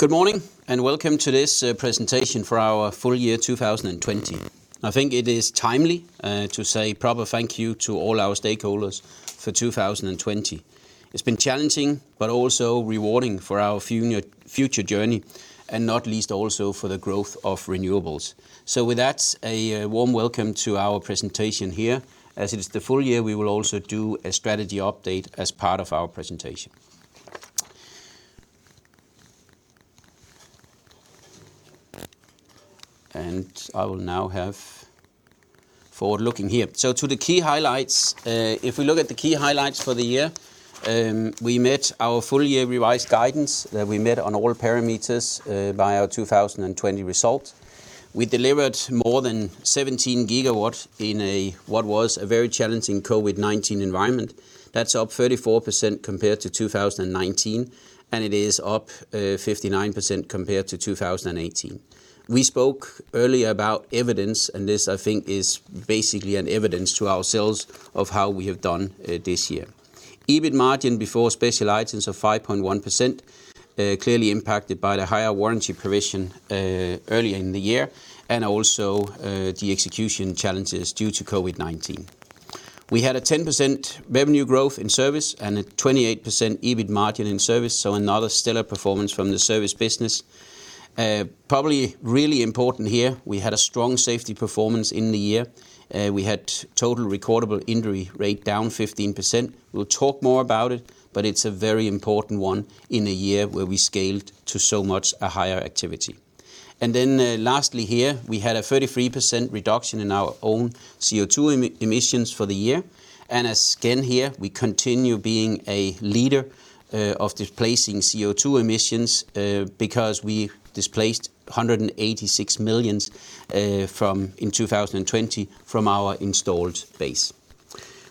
Good morning, welcome to this presentation for our full year 2020. I think it is timely to say proper thank you to all our stakeholders for 2020. It's been challenging, but also rewarding for our future journey, and not least also for the growth of renewables. With that, a warm welcome to our presentation here. As it is the full year, we will also do a strategy update as part of our presentation. I will now have Forward looking here. To the key highlights. If we look at the key highlights for the year, we met our full year revised guidance that we met on all parameters by our 2020 result. We delivered more than 17 GW in what was a very challenging COVID-19 environment. That's up 34% compared to 2019, and it is up 59% compared to 2018. We spoke earlier about evidence, and this, I think, is basically an evidence to ourselves of how we have done this year. EBIT margin before special items of 5.1%, clearly impacted by the higher warranty provision earlier in the year and also the execution challenges due to COVID-19. We had a 10% revenue growth in service and a 28% EBIT margin in service, so another stellar performance from the service business. Probably really important here, we had a strong safety performance in the year. We had total recordable injury rate down 15%. We'll talk more about it, but it's a very important one in a year where we scaled to so much a higher activity. Lastly here, we had a 33% reduction in our own CO2 emissions for the year. Again here, we continue being a leader of displacing CO2 emissions, because we displaced 186 million in 2020 from our installed base.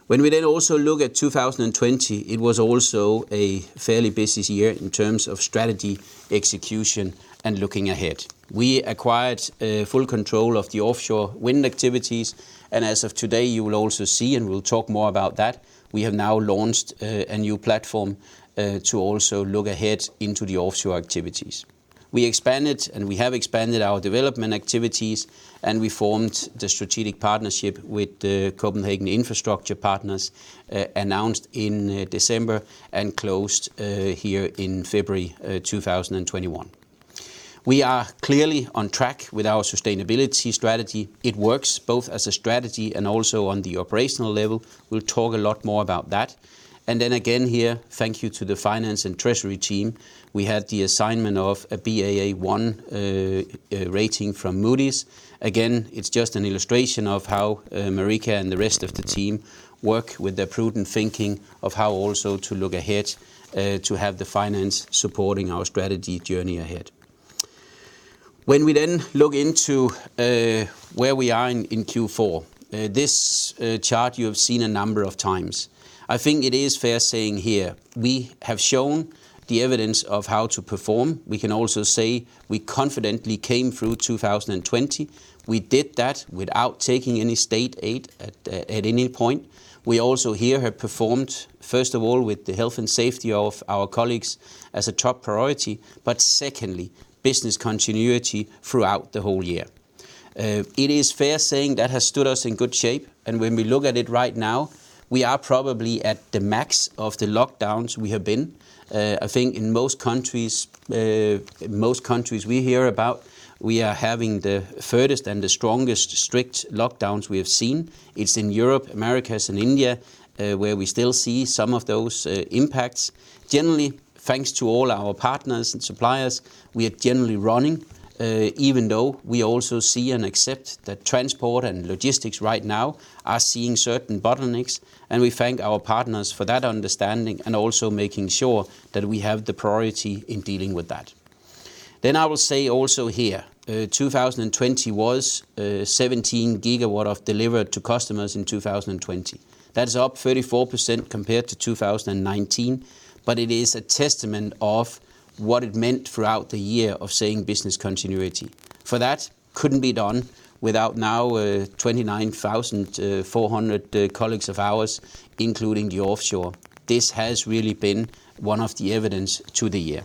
When we then also look at 2020, it was also a fairly busy year in terms of strategy, execution, and looking ahead. We acquired full control of the offshore wind activities, and as of today, you will also see, and we'll talk more about that, we have now launched a new platform to also look ahead into the offshore activities. We expanded, and we have expanded our development activities, and we formed the strategic partnership with the Copenhagen Infrastructure Partners, announced in December and closed here in February 2021. We are clearly on track with our sustainability strategy. It works both as a strategy and also on the operational level. We'll talk a lot more about that. Again here, thank you to the finance and treasury team. We had the assignment of a Baa1 rating from Moody's. Again, it's just an illustration of how Marika and the rest of the team work with their prudent thinking of how also to look ahead to have the finance supporting our strategy journey ahead. When we then look into where we are in Q4, this chart you have seen a number of times. I think it is fair saying here we have shown the evidence of how to perform. We can also say we confidently came through 2020. We did that without taking any state aid at any point. We also here have performed, first of all, with the health and safety of our colleagues as a top priority, but secondly, business continuity throughout the whole year. It is fair saying that has stood us in good shape, and when we look at it right now, we are probably at the max of the lockdowns we have been. I think in most countries we hear about, we are having the furthest and the strongest strict lockdowns we have seen. It's in Europe, Americas, and India, where we still see some of those impacts. Generally, thanks to all our partners and suppliers, we are generally running, even though we also see and accept that transport and logistics right now are seeing certain bottlenecks, and we thank our partners for that understanding and also making sure that we have the priority in dealing with that. I will say also here, 2020 was 17 GW of delivered to customers in 2020. That is up 34% compared to 2019, but it is a testament of what it meant throughout the year of saying business continuity. For that, couldn't be done without now 29,400 colleagues of ours, including the offshore. This has really been one of the evidence to the year.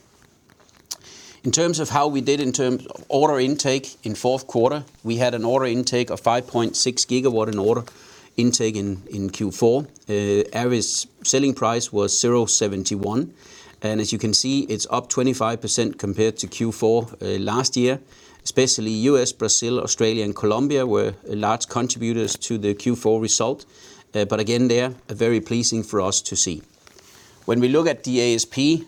In terms of how we did in terms of order intake in fourth quarter, we had an order intake of 5.6 GW in order intake in Q4. Average selling price was 0.71. As you can see, it's up 25% compared to Q4 last year. Especially U.S., Brazil, Australia, and Colombia were large contributors to the Q4 result. Again, they are very pleasing for us to see. When we look at the ASP, it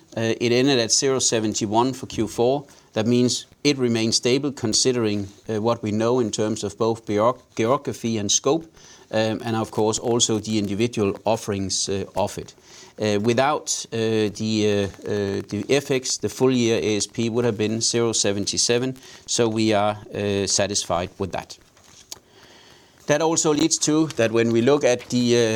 ended at 0.71 for Q4. That means it remains stable considering what we know in terms of both geography and scope, and of course, also the individual offerings of it. Without the FX, the full year ASP would have been 0.77, so we are satisfied with that. That also leads to that when we look at the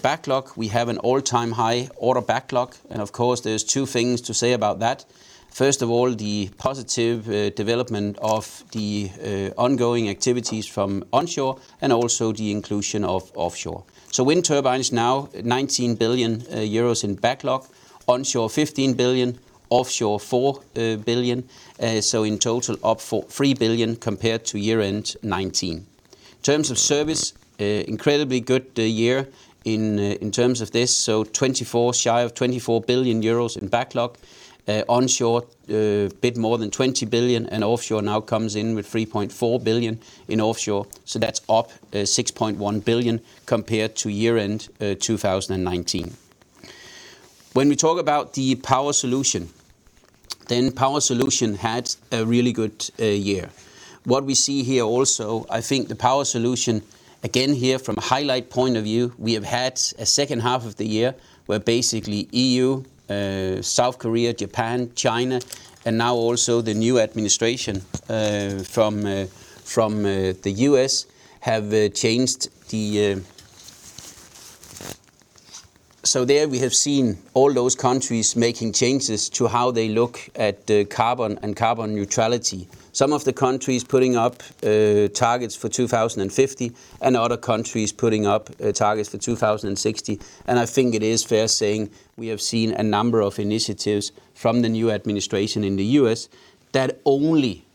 backlog, we have an all-time high order backlog. Of course, there's two things to say about that. First of all, the positive development of the ongoing activities from onshore, and also the inclusion of offshore. Wind turbines now, 19 billion euros in backlog. Onshore, 15 billion, offshore 4 billion. In total, up 4.3 billion compared to year-end 2019. In terms of service, incredibly good year in terms of this. Shy of 24 billion euros in backlog. Onshore, a bit more than 20 billion, and offshore now comes in with 3.4 billion in offshore. That's up 6.1 billion compared to year-end 2019. When we talk about the Power Solution, Power Solution had a really good year. What we see here also, I think the Power Solution, again here from a highlight point of view, we have had a second half of the year where basically EU, South Korea, Japan, China, and now also the new administration from the U.S. There we have seen all those countries making changes to how they look at the carbon and carbon neutrality. Some of the countries putting up targets for 2050, other countries putting up targets for 2060. I think it is fair saying we have seen a number of initiatives from the new administration in the U.S. that only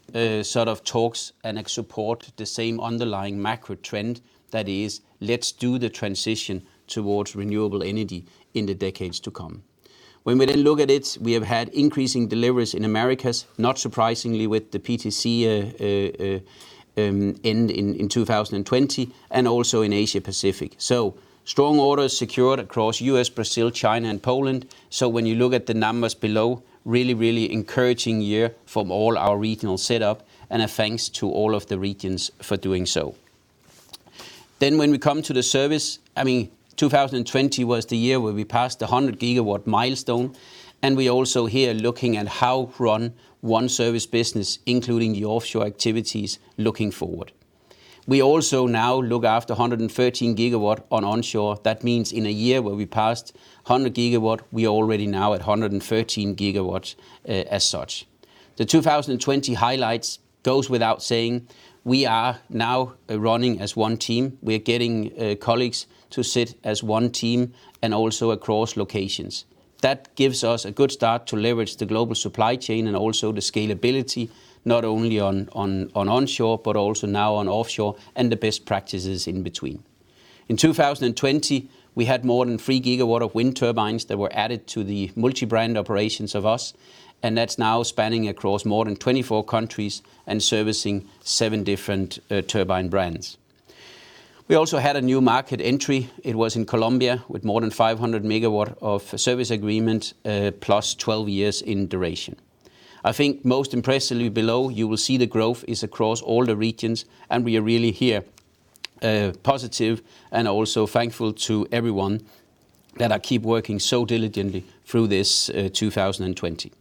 sort of talks and support the same underlying macro trend that is, let's do the transition towards renewable energy in the decades to come. When we then look at it, we have had increasing deliveries in Americas, not surprisingly with the PTC in 2020 and also in Asia Pacific. Strong orders secured across U.S., Brazil, China, and Poland. When you look at the numbers below, really, really encouraging year from all our regional setup, and a thanks to all of the regions for doing so. When we come to the service, 2020 was the year where we passed the 100-GW milestone, and we also here looking at how run one service business, including the offshore activities looking forward. We also now look after 113 GW on onshore. That means in a year where we passed 100 GW, we are already now at 113 GW as such. The 2020 highlights goes without saying, we are now running as one team. We are getting colleagues to sit as one team and also across locations. That gives us a good start to leverage the global supply chain and also the scalability, not only on onshore, but also now on offshore, and the best practices in between. In 2020, we had more than three GW of wind turbines that were added to the multi-brand operations of us, and that's now spanning across more than 24 countries and servicing seven different turbine brands. We also had a new market entry. It was in Colombia with more than 500 MW of service agreement, plus 12 years in duration. I think most impressively below you will see the growth is across all the regions, and we are really here, positive and also thankful to everyone that are keep working so diligently through this 2020.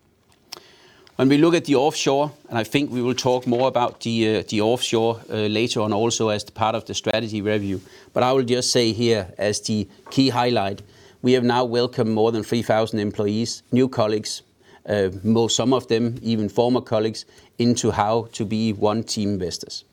When we look at the offshore, and I think we will talk more about the offshore later on also as part of the strategy review. I will just say here as the key highlight, we have now welcomed more than 3,000 employees, new colleagues, some of them even former colleagues, into how to be one team Vestas.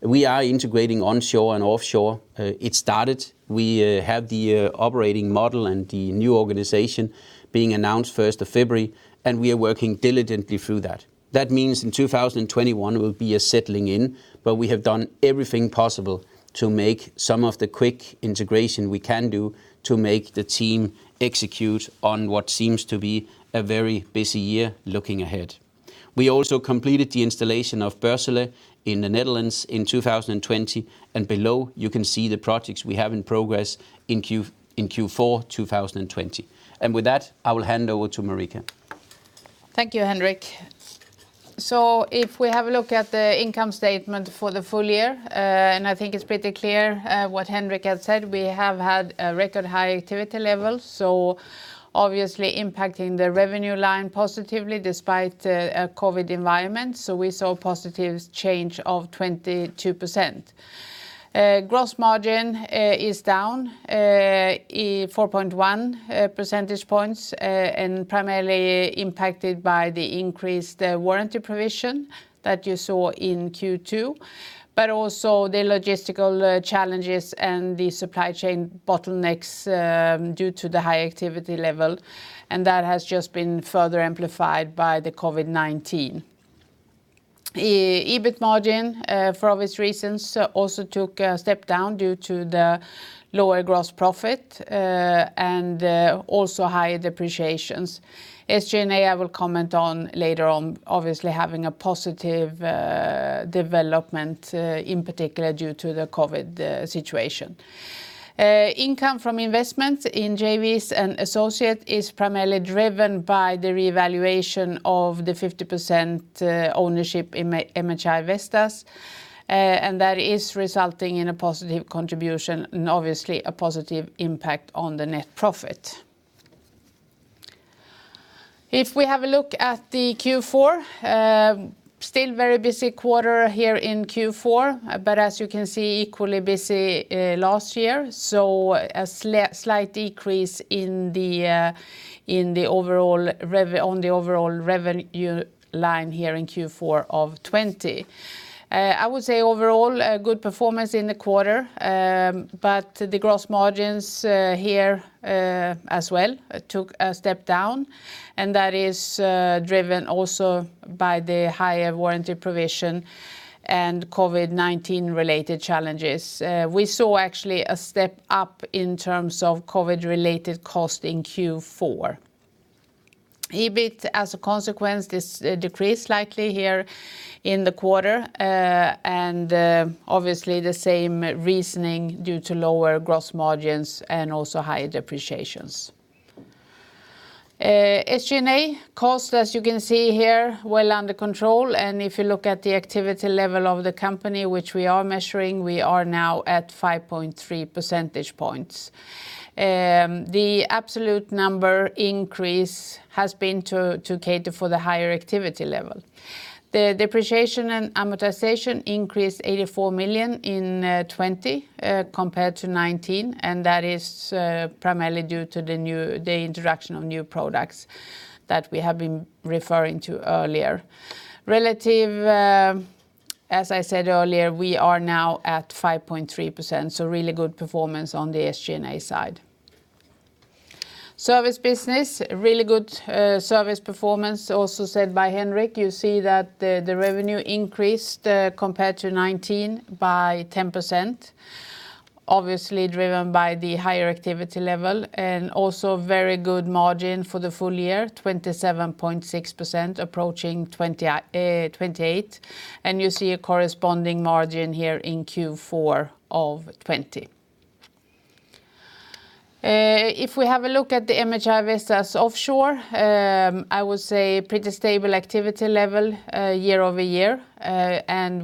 We are integrating onshore and offshore. It started, we have the operating model and the new organization being announced 1st of February, and we are working diligently through that. That means in 2021 will be a settling in, but we have done everything possible to make some of the quick integration we can do to make the team execute on what seems to be a very busy year looking ahead. We also completed the installation of Borssele in the Netherlands in 2020. Below you can see the projects we have in progress in Q4 2020. With that, I will hand over to Marika. Thank you, Henrik. If we have a look at the income statement for the full year, and I think it's pretty clear what Henrik has said, we have had a record high activity level, so obviously impacting the revenue line positively despite a COVID environment, so we saw a positive change of 22%. Gross margin is down, 4.1 percentage points, and primarily impacted by the increased warranty provision that you saw in Q2, but also the logistical challenges and the supply chain bottlenecks, due to the high activity level, and that has just been further amplified by the COVID-19. EBIT margin, for obvious reasons, also took a step down due to the lower gross profit, and also higher depreciations. SG&A, I will comment on later on, obviously having a positive development, in particular, due to the COVID situation. Income from investments in JVs and associate is primarily driven by the revaluation of the 50% ownership in MHI Vestas, and that is resulting in a positive contribution and obviously a positive impact on the net profit. If we have a look at the Q4, still very busy quarter here in Q4, but as you can see, equally busy last year. A slight decrease on the overall revenue line here in Q4 of 2020. I would say overall, a good performance in the quarter, but the gross margins here as well took a step down, and that is driven also by the higher warranty provision and COVID-19 related challenges. We saw actually a step up in terms of COVID related cost in Q4. EBIT, as a consequence, decreased slightly here in the quarter. Obviously the same reasoning due to lower gross margins and also high depreciations. SG&A costs, as you can see here, well under control. If you look at the activity level of the company, which we are measuring, we are now at 5.3 percentage points. The absolute number increase has been to cater for the higher activity level. The depreciation and amortization increased 84 million in 2020, compared to 2019, that is primarily due to the introduction of new products that we have been referring to earlier. Relative, as I said earlier, we are now at 5.3%, really good performance on the SG&A side. Service business, really good service performance, also said by Henrik. You see that the revenue increased compared to 2019 by 10%, obviously driven by the higher activity level and also very good margin for the full year, 27.6% approaching 28%. You see a corresponding margin here in Q4 of 2020. If we have a look at the MHI Vestas Offshore, I would say pretty stable activity level year-over-year.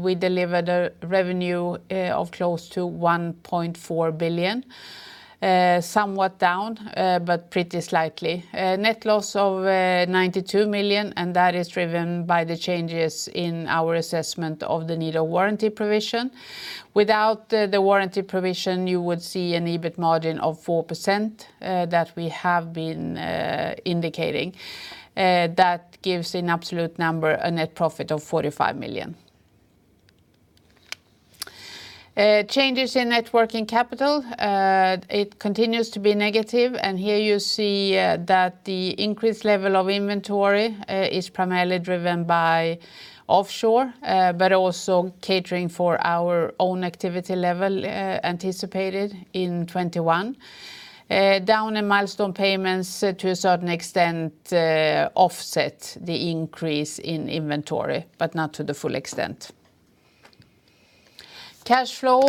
We delivered a revenue of close to 1.4 billion. Somewhat down, but pretty slightly. Net loss of 92 million, and that is driven by the changes in our assessment of the need of warranty provision. Without the warranty provision, you would see an EBIT margin of 4%, that we have been indicating. That gives an absolute number, a net profit of 45 million. Changes in net working capital, it continues to be negative. Here you see that the increased level of inventory is primarily driven by offshore, but also catering for our own activity level anticipated in 2021. Down in milestone payments to a certain extent offset the increase in inventory, but not to the full extent. Cash flow.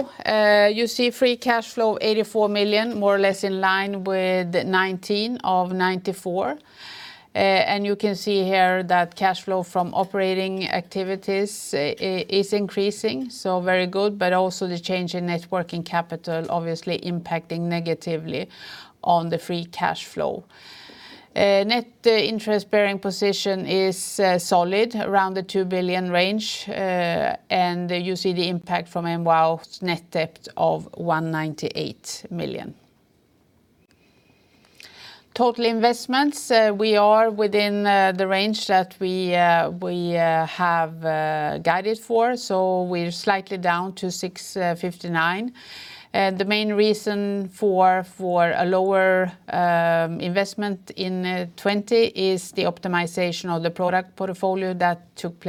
You see free cash flow, 84 million, more or less in line with 2019 of 94 million. You can see here that cash flow from operating activities is increasing, so very good, but also the change in net working capital obviously impacting negatively on the free cash flow. Net interest bearing position is solid, around the 2 billion range. You see the impact from MVOW's net debt of 198 million. Total investments, we are within the range that we have guided for. We're slightly down to 659 million. The main reason for a lower investment in 2020 is the optimization of the product portfolio that took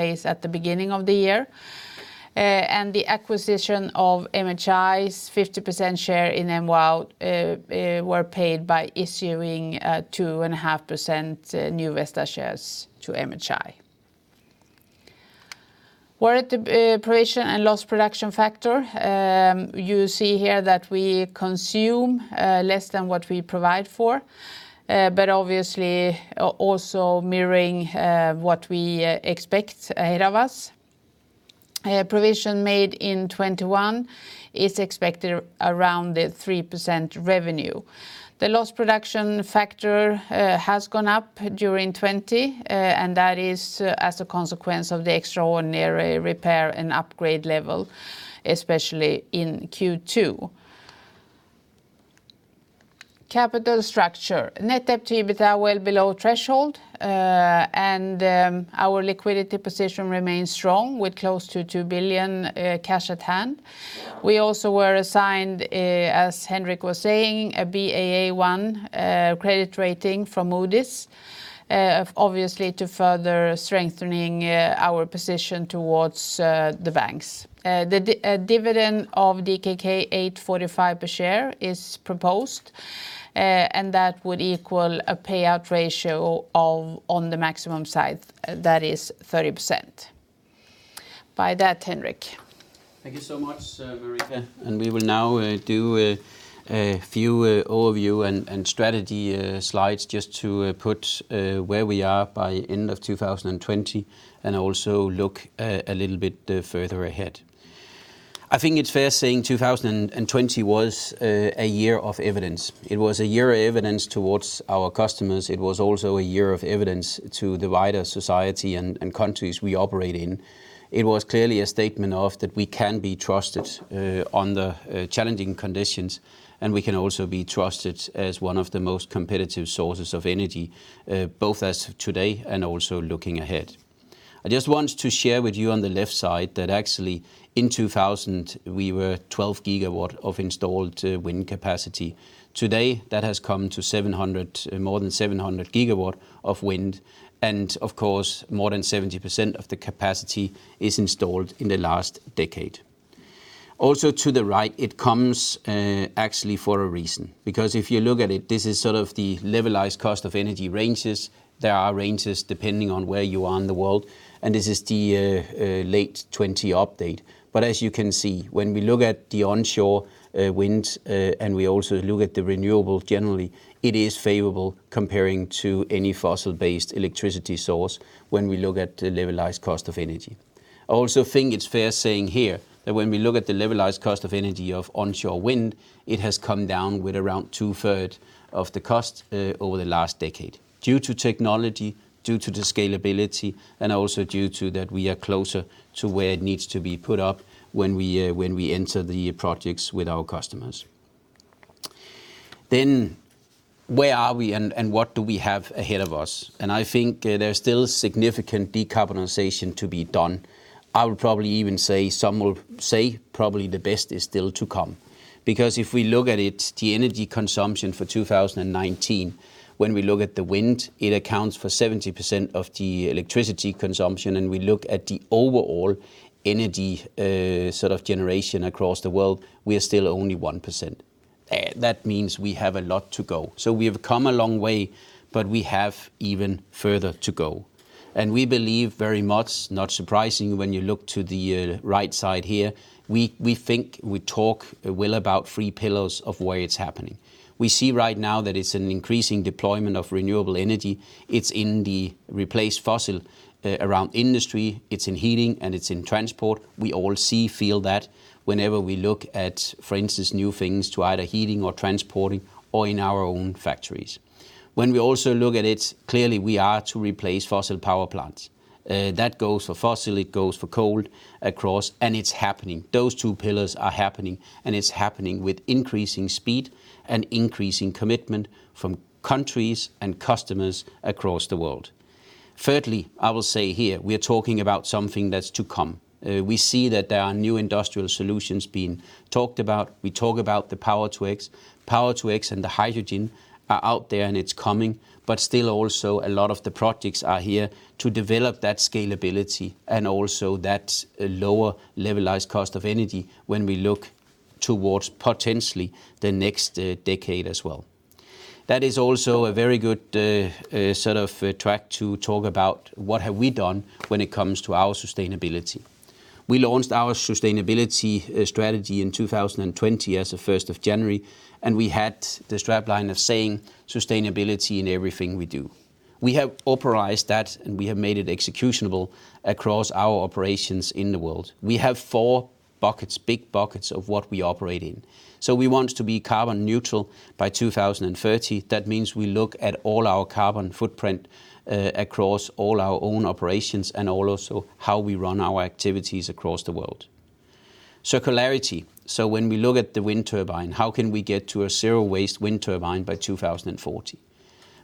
place at the beginning of the year. The acquisition of MHI's 50% share in MVOW were paid by issuing 2.5% new Vestas shares to MHI. Warranty provision and lost production factor. You see here that we consume less than what we provide for. Obviously, also mirroring what we expect ahead of us. Provision made in 2021 is expected around the 3% revenue. The lost production factor has gone up during 2020, that is as a consequence of the extraordinary repair and upgrade level, especially in Q2. Capital structure. Net debt to EBITDA well below threshold. Our liquidity position remains strong with close to 2 billion cash at hand. We also were assigned, as Henrik was saying, a Baa1 credit rating from Moody's, obviously to further strengthening our position towards the banks. The dividend of DKK 8.45 per share is proposed, that would equal a payout ratio on the maximum side. That is 30%. By that, Henrik. Thank you so much, Marika. We will now do a few overview and strategy slides just to put where we are by end of 2020 and also look a little bit further ahead. I think it's fair saying 2020 was a year of evidence. It was a year of evidence towards our customers. It was also a year of evidence to the wider society and countries we operate in. It was clearly a statement of that we can be trusted on the challenging conditions, and we can also be trusted as one of the most competitive sources of energy, both as of today and also looking ahead. I just want to share with you on the left side that actually in 2000, we were 12 GW of installed wind capacity. Today, that has come to more than 700 GW of wind and of course, more than 70% of the capacity is installed in the last decade. To the right, it comes actually for a reason. If you look at it, this is sort of the levelized cost of energy ranges. There are ranges depending on where you are in the world, and this is the late 2020 update. As you can see, when we look at the onshore wind, and we also look at the renewable, generally, it is favorable comparing to any fossil-based electricity source when we look at the levelized cost of energy. I also think it's fair saying here that when we look at the levelized cost of energy of onshore wind, it has come down with around 2/3 of the cost over the last decade due to technology, due to the scalability, and also due to that we are closer to where it needs to be put up when we enter the projects with our customers. Where are we and what do we have ahead of us? I think there's still significant decarbonization to be done. I would probably even say some will say probably the best is still to come. If we look at it, the energy consumption for 2019, when we look at the wind, it accounts for 70% of the electricity consumption, and we look at the overall energy sort of generation across the world, we are still only 1%. That means we have a lot to go. We have come a long way, but we have even further to go. We believe very much, not surprising when you look to the right side here, we talk well about three pillars of where it's happening. We see right now that it's an increasing deployment of renewable energy. It's in the replaced fossil around industry, it's in heating, and it's in transport. We all see, feel that whenever we look at, for instance, new things to either heating or transporting or in our own factories. When we also look at it, clearly, we are to replace fossil power plants. That goes for fossil, it goes for coal across, and it's happening. Those two pillars are happening, and it's happening with increasing speed and increasing commitment from countries and customers across the world. Thirdly, I will say here, we are talking about something that's to come. We see that there are new industrial solutions being talked about. We talk about the Power-to-X. Power-to-X and the hydrogen are out there and it's coming, but still also a lot of the projects are here to develop that scalability and also that lower levelized cost of energy when we look towards potentially the next decade as well. That is also a very good sort of track to talk about what have we done when it comes to our sustainability. We launched our sustainability strategy in 2020 as of 1st of January, and we had the strapline of saying, "Sustainability in everything we do." We have authorized that, and we have made it executable across our operations in the world. We have four buckets, big buckets of what we operate in. We want to be carbon neutral by 2030. That means we look at all our carbon footprint, across all our own operations and also how we run our activities across the world. Circularity. When we look at the wind turbine, how can we get to a zero waste wind turbine by 2040?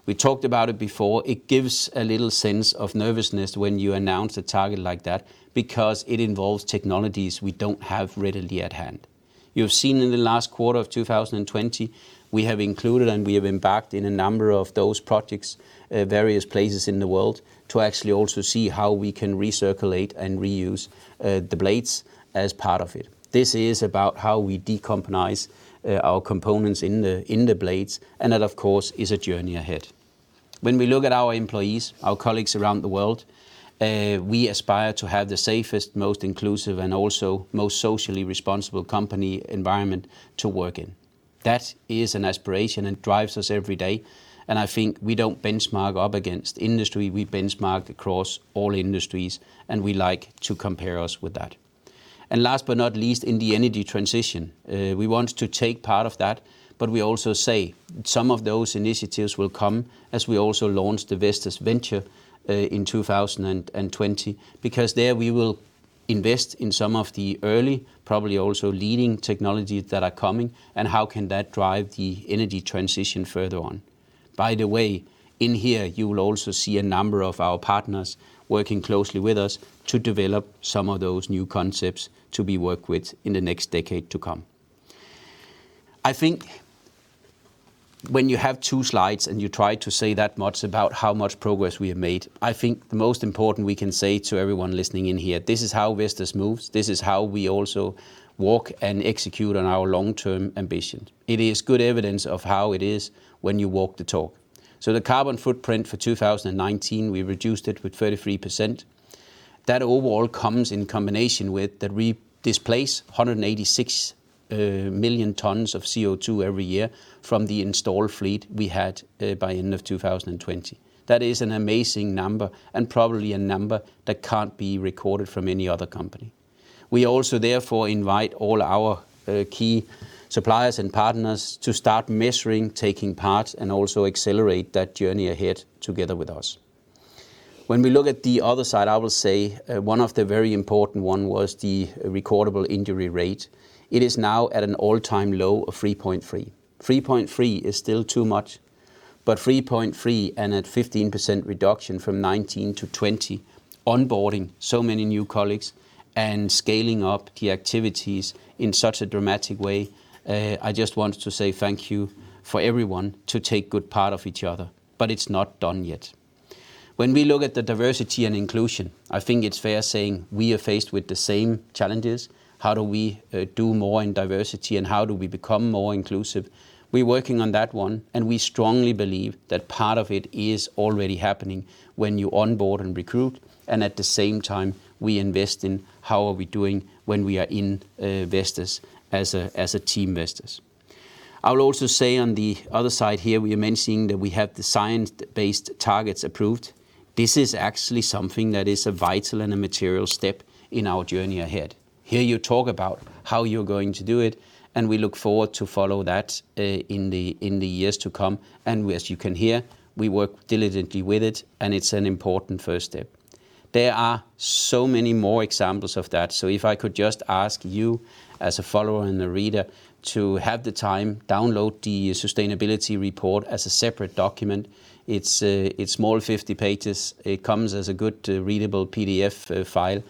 We talked about it before. It gives a little sense of nervousness when you announce a target like that because it involves technologies we don't have readily at hand. You have seen in the last quarter of 2020, we have included and we have embarked in a number of those projects, various places in the world, to actually also see how we can recirculate and reuse the blades as part of it. This is about how we decomponize our components in the blades, and that, of course, is a journey ahead. When we look at our employees, our colleagues around the world, we aspire to have the safest, most inclusive, and also most socially responsible company environment to work in. That is an aspiration and drives us every day. I think we don't benchmark up against industry. We benchmark across all industries. We like to compare us with that. Last but not least, in the energy transition, we want to take part of that, but we also say some of those initiatives will come as we also launch the Vestas Venture in 2020. There we will invest in some of the early, probably also leading technologies that are coming and how can that drive the energy transition further on. By the way, in here, you will also see a number of our partners working closely with us to develop some of those new concepts to be worked with in the next decade to come. When you have two slides and you try to say that much about how much progress we have made, I think the most important we can say to everyone listening in here, this is how Vestas moves. This is how we also walk and execute on our long-term ambition. It is good evidence of how it is when you walk the talk. The carbon footprint for 2019, we reduced it with 33%. That overall comes in combination with that we displaced 186 million tons of CO2 every year from the installed fleet we had by the end of 2020. That is an amazing number and probably a number that can't be recorded from any other company. We also, therefore, invite all our key suppliers and partners to start measuring, taking part, and also accelerate that journey ahead together with us. We look at the other side, I will say one of the very important one was the recordable injury rate. It is now at an all-time low of 3.3. 3.3 is still too much, but 3.3 and at 15% reduction from 2019 to 2020, onboarding so many new colleagues and scaling up the activities in such a dramatic way, I just want to say thank you for everyone to take good part of each other, but it's not done yet. We look at the diversity and inclusion, I think it's fair saying we are faced with the same challenges. How do we do more in diversity, and how do we become more inclusive? We're working on that one, and we strongly believe that part of it is already happening when you onboard and recruit, and at the same time, we invest in how are we doing when we are investors, as a team Vestas. I will also say on the other side here, we are mentioning that we have the science-based targets approved. This is actually something that is a vital and a material step in our journey ahead. Here you talk about how you're going to do it. We look forward to follow that in the years to come. As you can hear, we work diligently with it. It's an important first step. There are so many more examples of that, so if I could just ask you as a follower and a reader to have the time, download the sustainability report as a separate document. It's small, 50 pages. It comes as a good readable PDF file.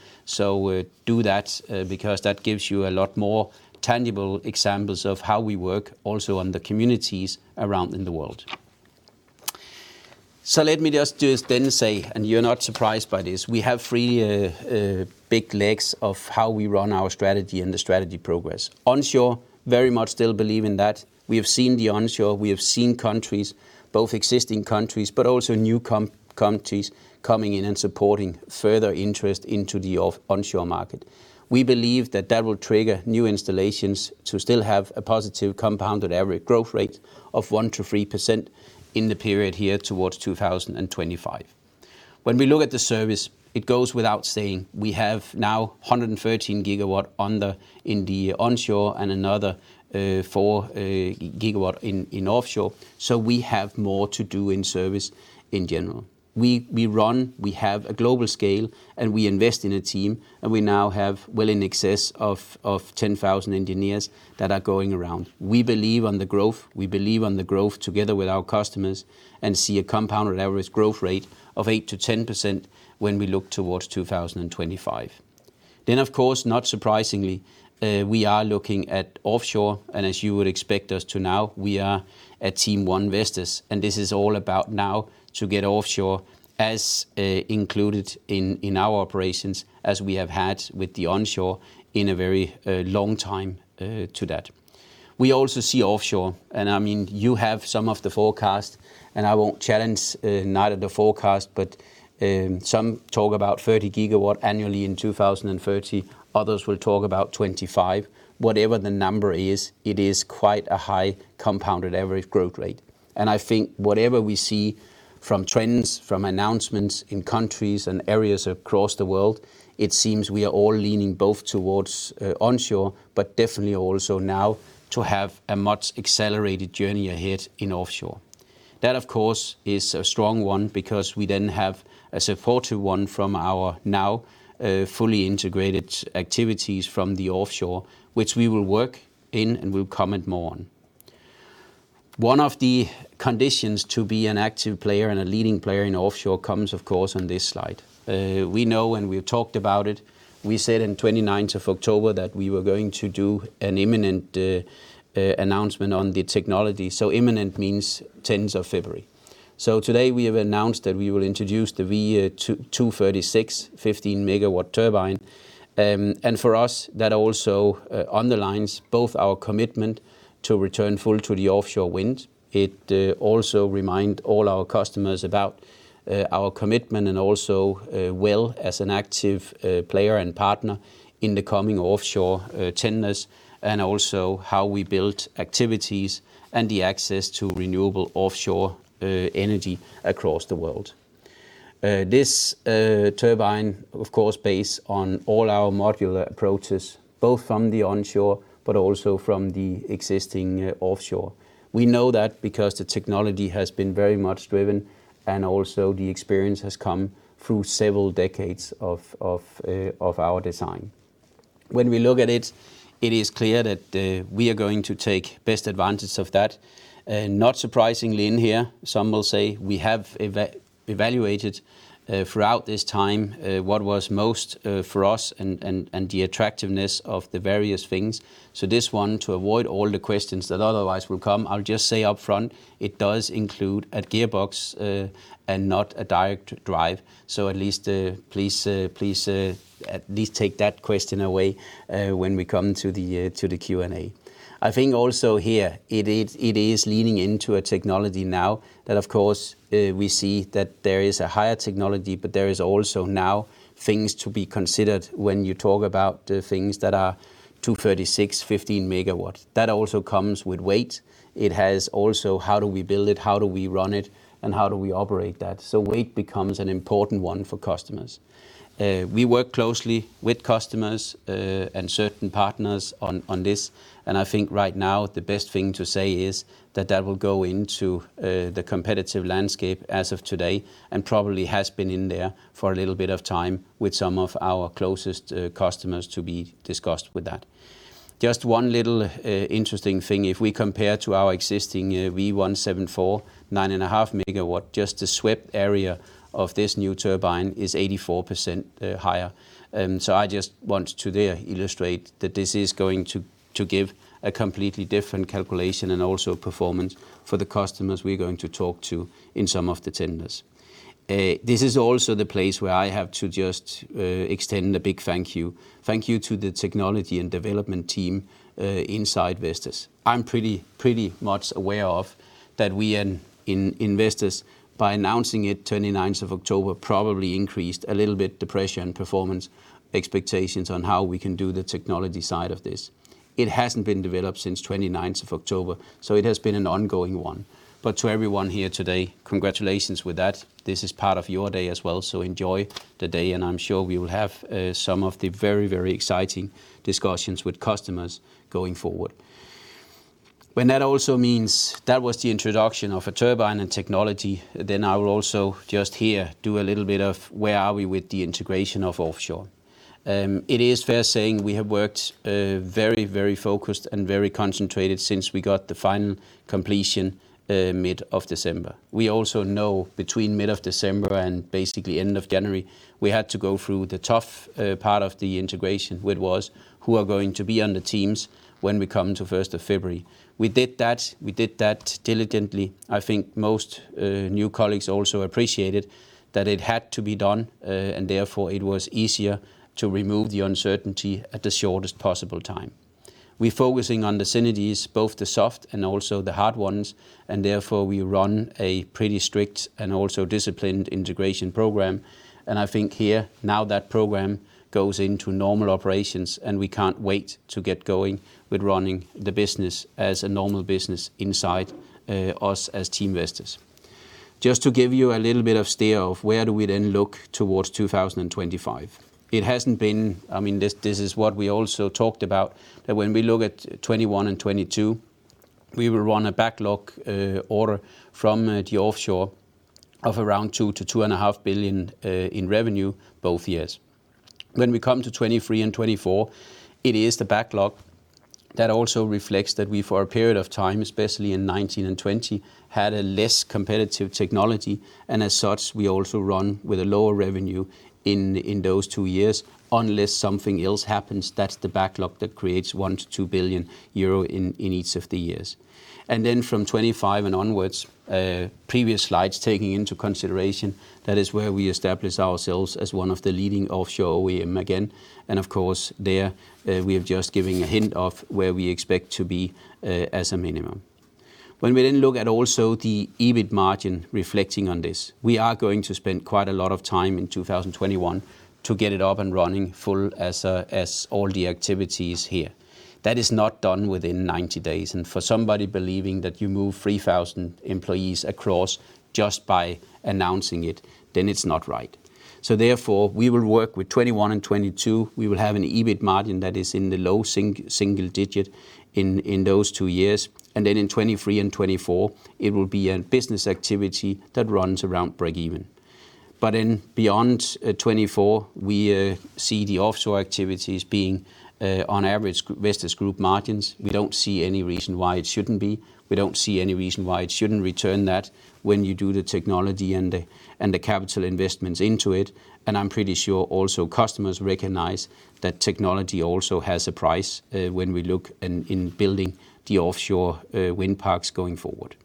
Do that because that gives you a lot more tangible examples of how we work also on the communities around in the world. Let me just then say, and you're not surprised by this, we have three big legs of how we run our strategy and the strategy progress. Onshore, very much still believe in that. We have seen the onshore. We have seen countries, both existing countries, but also new countries coming in and supporting further interest into the offshore market. We believe that that will trigger new installations to still have a positive compounded average growth rate of 1% to 3% in the period here towards 2025. When we look at the service, it goes without saying, we have now 113 GW in the onshore and another 4 GW in offshore. We have more to do in service in general. We run, we have a global scale, and we invest in a team, and we now have well in excess of 10,000 engineers that are going around. We believe on the growth. We believe on the growth together with our customers and see a compounded average growth rate of 8% to 10% when we look towards 2025. Of course, not surprisingly, we are looking at offshore, and as you would expect us to now, we are at Team 1 Vestas, and this is all about now to get offshore as included in our operations as we have had with the onshore in a very long time to that. We also see offshore, and you have some of the forecast, and I won't challenge neither the forecast, but some talk about 30 GW annually in 2030. Others will talk about 25. Whatever the number is, it is quite a high compounded average growth rate. I think whatever we see from trends, from announcements in countries and areas across the world, it seems we are all leaning both towards onshore, but definitely also now to have a much-accelerated journey ahead in offshore. That, of course, is a strong one because we then have a supportive one from our now fully integrated activities from the offshore, which we will work in and will comment more on. One of the conditions to be an active player and a leading player in offshore comes, of course, on this slide. We know and we've talked about it, we said in 29th of October that we were going to do an imminent announcement on the technology. Imminent means 10th of February. Today we have announced that we will introduce the V236 15-megawatt turbine, and for us, that also underlines both our commitment to return full to the offshore wind. It also remind all our customers about our commitment and also will as an active player and partner in the coming offshore tenders, and also how we built activities and the access to renewable offshore energy across the world. This turbine, of course, based on all our modular approaches, both from the onshore but also from the existing offshore. We know that because the technology has been very much driven, and also the experience has come through several decades of our design. When we look at it is clear that we are going to take best advantage of that. Not surprisingly, in here, some will say we have evaluated throughout this time what was most for us and the attractiveness of the various things. This one, to avoid all the questions that otherwise will come, I'll just say upfront, it does include a gearbox and not a direct drive, so at least please take that question away when we come to the Q&A. I think also here it is leaning into a technology now that, of course, we see that there is a higher technology, but there is also now things to be considered when you talk about the things that are 236, 15 MW. That also comes with weight. It has also how do we build it, how do we run it, and how do we operate that? Weight becomes an important one for customers. We work closely with customers, and certain partners on this, and I think right now the best thing to say is that that will go into the competitive landscape as of today and probably has been in there for a little bit of time with some of our closest customers to be discussed with that. Just one little interesting thing, if we compare to our existing V174-9.5 MW, just the swept area of this new turbine is 84% higher. I just want to there illustrate that this is going to give a completely different calculation and also performance for the customers we're going to talk to in some of the tenders. This is also the place where I have to just extend a big thank you. Thank you to the technology and development team inside Vestas. I'm pretty much aware of that we in Vestas by announcing it 29th of October, probably increased a little bit the pressure and performance expectations on how we can do the technology side of this. It hasn't been developed since 29th of October, so it has been an ongoing one. To everyone here today, congratulations with that. This is part of your day as well, so enjoy the day, and I'm sure we will have some of the very, very exciting discussions with customers going forward. When that also means that was the introduction of a turbine and technology, I will also just here do a little bit of where are we with the integration of offshore. It is fair saying we have worked very, very focused and very concentrated since we got the final completion mid of December. We also know between mid of December and basically end of January, we had to go through the tough part of the integration, which was who are going to be on the teams when we come to 1st of February. We did that. We did that diligently. I think most new colleagues also appreciated that it had to be done, and therefore it was easier to remove the uncertainty at the shortest possible time. We are focusing on the synergies, both the soft and also the hard ones, and therefore we run a pretty strict and also disciplined integration program, and I think here now that program goes into normal operations, and we cannot wait to get going with running the business as a normal business inside us as Team Vestas. Just to give you a little bit of steer of where do we then look towards 2025. This is what we also talked about, that when we look at 2021 and 2022, we will run a backlog order from the offshore of around 2 billion-2.5 billion in revenue both years. When we come to 2023 and 2024, it is the backlog that also reflects that we, for a period of time, especially in 2019 and 2020, had a less competitive technology, as such, we also run with a lower revenue in those two years. Unless something else happens, that is the backlog that creates 1 billion-2 billion euro in each of the years. From 2025 and onwards, previous slides taking into consideration, that is where we establish ourselves as one of the leading offshore OEM again, and of course, there we have just given a hint of where we expect to be as a minimum. When we look at also the EBIT margin reflecting on this, we are going to spend quite a lot of time in 2021 to get it up and running full as all the activities here. That is not done within 90 days, and for somebody believing that you move 3,000 employees across just by announcing it, then it's not right. Therefore, we will work with 2021 and 2022. We will have an EBIT margin that is in the low single digit in those two years, and then in 2023 and 2024, it will be a business activity that runs around breakeven. In beyond 2024, we see the offshore activities being on average Vestas group margins. We don't see any reason why it shouldn't be. We don't see any reason why it shouldn't return that when you do the technology and the capital investments into it, and I'm pretty sure also customers recognize that technology also has a price when we look in building the offshore wind parks going forward.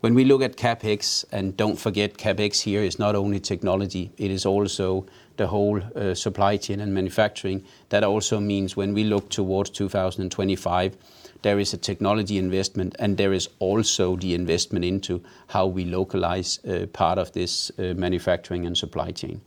When we look at CapEx, and don't forget, CapEx here is not only technology, it is also the whole supply chain and manufacturing. That also means when we look towards 2025, there is a technology investment, and there is also the investment into how we localize part of this manufacturing and supply chain.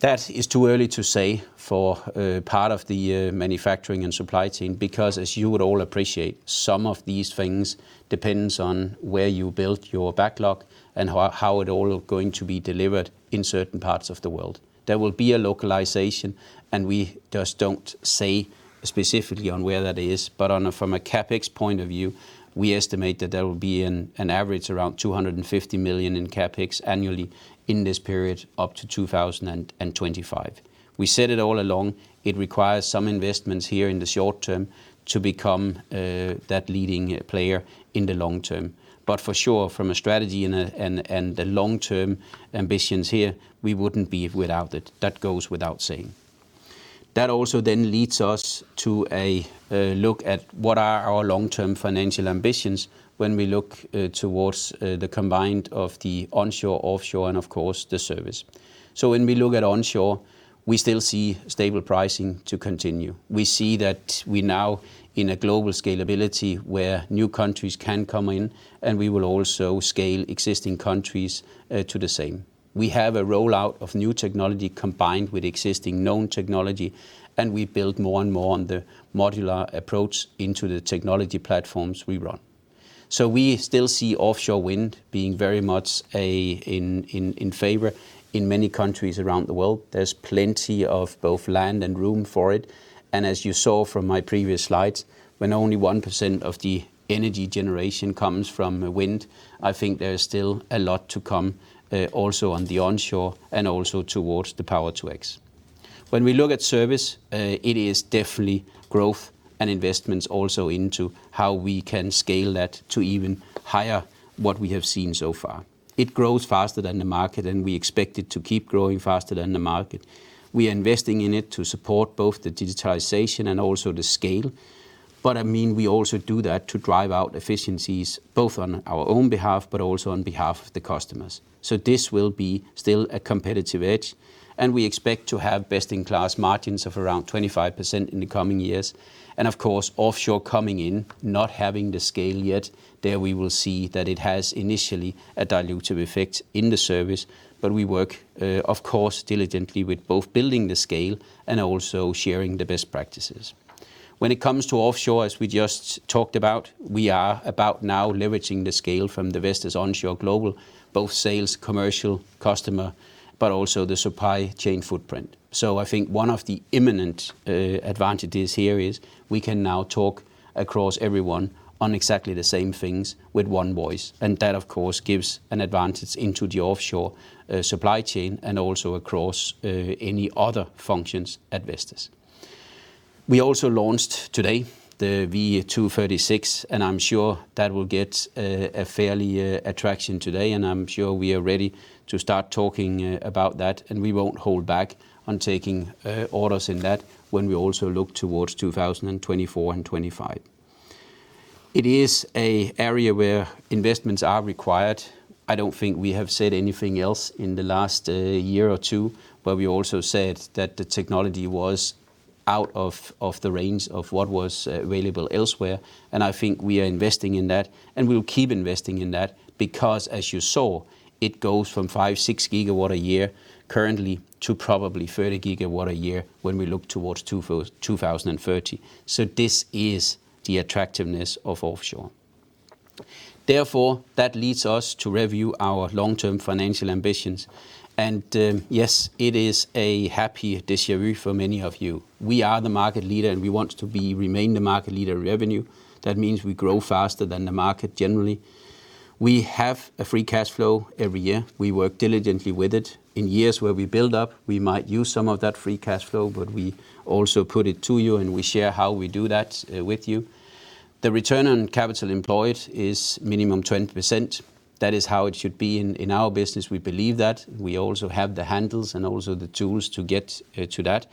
That is too early to say for part of the manufacturing and supply chain because as you would all appreciate, some of these things depends on where you built your backlog and how it all going to be delivered in certain parts of the world. There will be a localization, we just don't say specifically on where that is. From a CapEx point of view, we estimate that there will be an average around 250 million in CapEx annually in this period up to 2025. We said it all along, it requires some investments here in the short term to become that leading player in the long term. For sure, from a strategy and the long-term ambitions here, we wouldn't be without it. That goes without saying. That also leads us to a look at what are our long-term financial ambitions when we look towards the combined of the onshore, offshore, and of course, the service. When we look at onshore, we still see stable pricing to continue. We see that we're now in a global scalability where new countries can come in, and we will also scale existing countries to the same. We have a rollout of new technology combined with existing known technology, and we build more and more on the modular approach into the technology platforms we run. We still see offshore wind being very much in favor in many countries around the world. There's plenty of both land and room for it, and as you saw from my previous slides, when only 1% of the energy generation comes from wind, I think there is still a lot to come, also on the onshore and also towards the Power-to-X. When we look at service, it is definitely growth and investments also into how we can scale that to even higher what we have seen so far. It grows faster than the market. We expect it to keep growing faster than the market. We are investing in it to support both the digitization and also the scale. We also do that to drive out efficiencies, both on our own behalf but also on behalf of the customers. This will be still a competitive edge, and we expect to have best-in-class margins of around 25% in the coming years. Of course, offshore coming in, not having the scale yet, there we will see that it has initially a dilutive effect in the service, but we work, of course, diligently with both building the scale and also sharing the best practices. When it comes to offshore, as we just talked about, we are about now leveraging the scale from the Vestas onshore global, both sales, commercial, customer, but also the supply chain footprint. I think one of the imminent advantages here is we can now talk across everyone on exactly the same things with one voice, and that, of course, gives an advantage into the offshore supply chain and also across any other functions at Vestas. We also launched today the V236, and I'm sure that will get a fair attraction today, and I'm sure we are ready to start talking about that, and we won't hold back on taking orders in that when we also look towards 2024 and 2025. It is an area where investments are required. I don't think we have said anything else in the last year or two, but we also said that the technology was out of the range of what was available elsewhere. I think we are investing in that, and we'll keep investing in that because, as you saw, it goes from 5 GW, 6 GW a year currently to probably 30 GW a year when we look towards 2030. This is the attractiveness of offshore. Therefore, that leads us to review our long-term financial ambitions, and yes, it is a happy déjà vu for many of you. We are the market leader, and we want to remain the market leader in revenue. That means we grow faster than the market generally. We have a free cash flow every year. We work diligently with it. In years where we build up, we might use some of that free cash flow, but we also put it to you, and we share how we do that with you. The return on capital employed is minimum 20%. That is how it should be in our business. We believe that. We also have the handles and also the tools to get to that,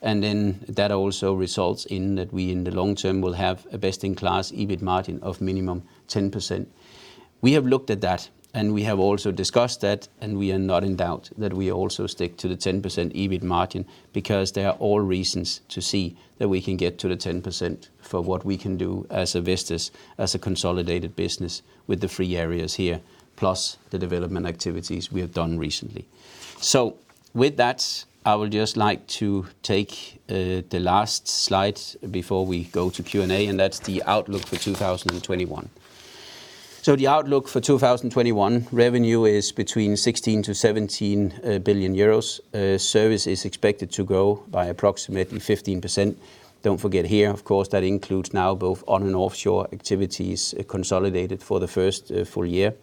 and then that also results in that we, in the long term, will have a best-in-class EBIT margin of minimum 10%. We have looked at that, and we have also discussed that, and we are not in doubt that we also stick to the 10% EBIT margin because there are all reasons to see that we can get to the 10% for what we can do as a Vestas, as a consolidated business with the three areas here, plus the development activities we have done recently. With that, I would just like to take the last slide before we go to Q&A, and that's the outlook for 2021. The outlook for 2021, revenue is between 16 billion-17 billion euros. Service is expected to grow by approximately 15%. Don't forget here, of course, that includes now both on and offshore activities consolidated for the first full year.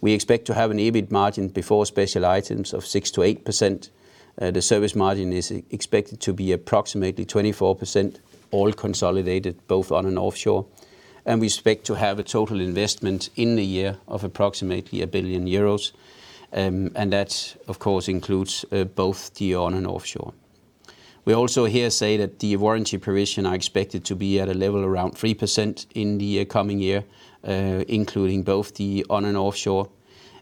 We expect to have an EBIT margin before special items of 6%-8%. The service margin is expected to be approximately 24%, all consolidated, both on and offshore. We expect to have a total investment in the year of 1 billion euros, and that, of course, includes both the on and offshore. We also here say that the warranty provision are expected to be at a level around 3% in the coming year, including both the on and offshore.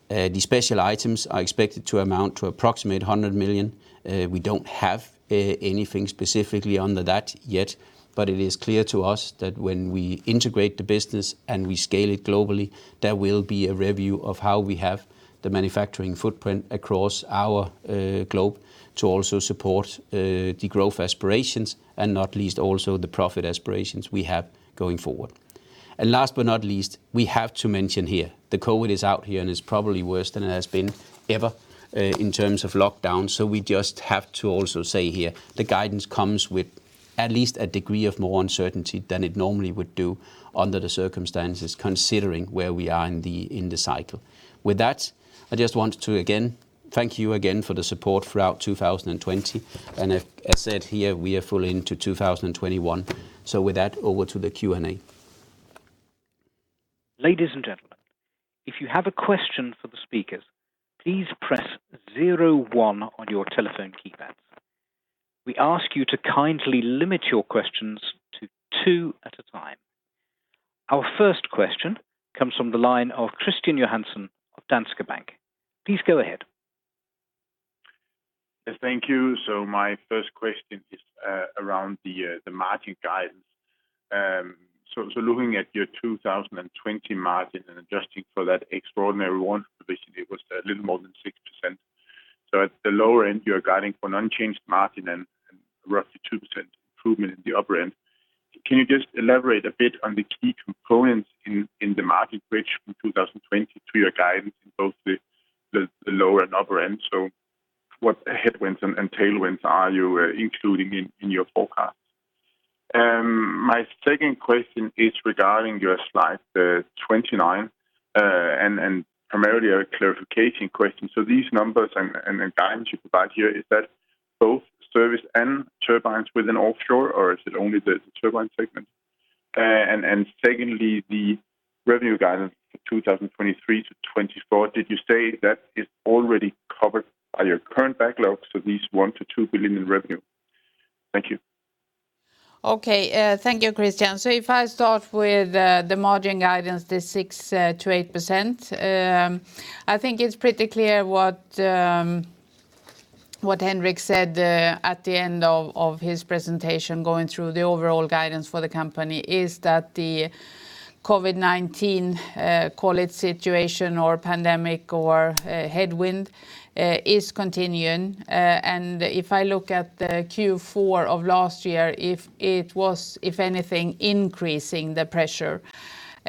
The special items are expected to amount to approximate 100 million. We don't have anything specifically under that yet, but it is clear to us that when we integrate the business and we scale it globally, there will be a review of how we have the manufacturing footprint across our globe to also support the growth aspirations and not least also the profit aspirations we have going forward. Last but not least, we have to mention here the COVID is out here, and it's probably worse than it has been ever in terms of lockdown. We just have to also say here the guidance comes with at least a degree of more uncertainty than it normally would do under the circumstances, considering where we are in the cycle. With that, I just want to again thank you again for the support throughout 2020. As said here, we are full into 2021. With that, over to the Q&A. Ladies and gentlemen, if you have a question for the speakers, please press zero one on your telephone keypads. We ask you to kindly limit your questions to two at a time. Our first question comes from the line of Kristian Johansen of Danske Bank. Please go ahead. Yes, thank you. My first question is around the margin guidance. Looking at your 2020 margin and adjusting for that extraordinary one, basically it was a little more than 6%. At the lower end, you're guiding for an unchanged margin and roughly 2% improvement in the upper end. Can you just elaborate a bit on the key components in the margin bridge from 2020 to your guidance in both the lower and upper end? What headwinds and tailwinds are you including in your forecast? My second question is regarding your slide 29, and primarily a clarification question. These numbers and guidance you provide here, is that both service and turbines within offshore, or is it only the turbine segment? Secondly, the revenue guidance for 2023 to 2024, did you say that is already covered by your current backlog, so these 1 billion-2 billion in revenue? Thank you. Thank you, Kristian. If I start with the margin guidance, the 6%-8%, I think it's pretty clear what Henrik said at the end of his presentation, going through the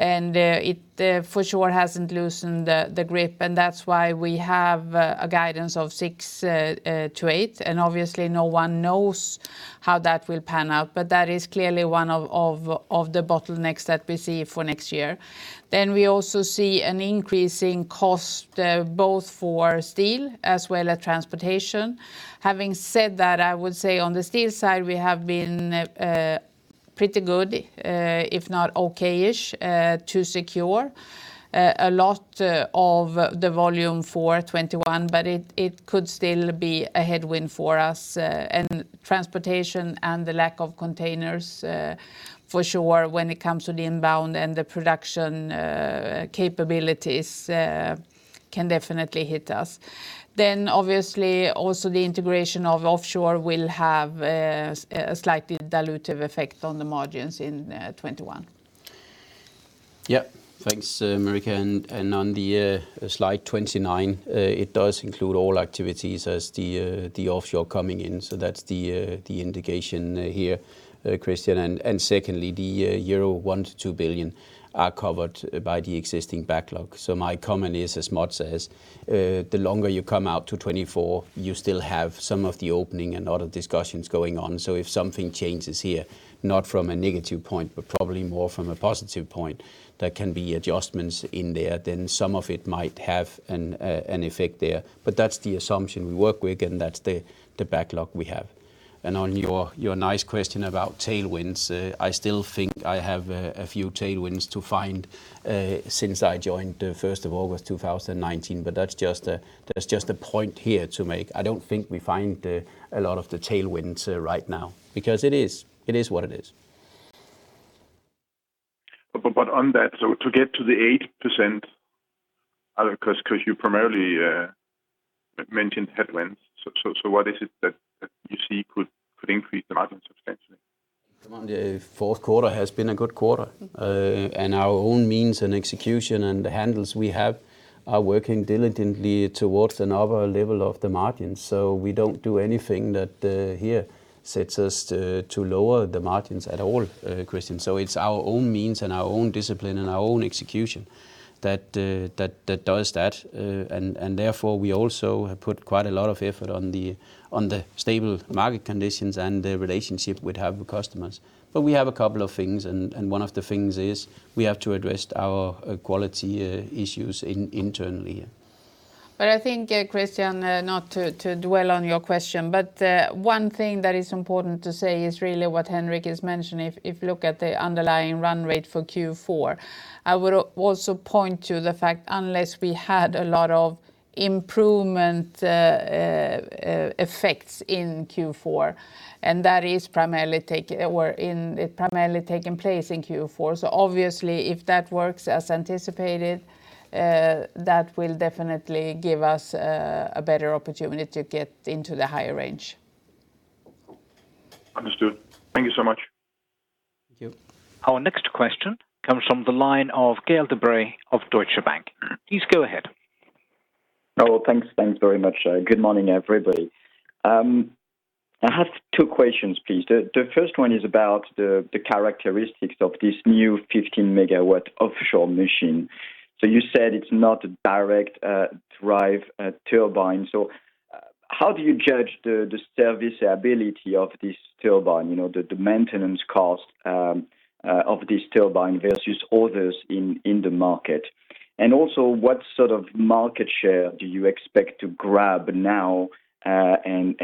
overall guidance for the company, is that the COVID-19, call it situation or pandemic or headwind, is continuing. are covered by the existing backlog. My comment is, as much as the longer you come out to 2024, you still have some of the opening and order discussions going on. If something changes here, not from a negative point, but probably more from a positive point, there can be adjustments in there, then some of it might have an effect there. That's the assumption we work with, and that's the backlog we have. On your nice question about tailwinds, I still think I have a few tailwinds to find since I joined the 1st of August 2019. That's just a point here to make. I don't think we find a lot of the tailwinds right now, because it is what it is. On that, so to get to the 8%, because you primarily mentioned headwinds, what is it that you see could increase the margin substantially? The fourth quarter has been a good quarter. Our own means and execution and the handles we have are working diligently towards another level of the margin. We don't do anything that here sets us to lower the margins at all, Kristian. It's our own means and our own discipline and our own execution that does that. Therefore, we also have put quite a lot of effort on the stable market conditions and the relationship we have with customers. We have a couple of things, and one of the things is we have to address our quality issues internally. I think, Kristian, not to dwell on your question, but one thing that is important to say is really what Henrik has mentioned. If you look at the underlying run rate for Q4, I would also point to the fact unless we had a lot of improvement effects in Q4, and that is primarily taking place in Q4. Obviously if that works as anticipated, that will definitely give us a better opportunity to get into the higher range. Understood. Thank you so much. Thank you. Our next question comes from the line of Gael De Bray of Deutsche Bank. Please go ahead. Thanks. Thanks very much. Good morning, everybody. I have two questions, please. The first one is about the characteristics of this new 15 MW offshore machine. You said it's not a direct drive turbine. How do you judge the serviceability of this turbine, the maintenance cost of this turbine versus others in the market? Also, what sort of market share do you expect to grab now, and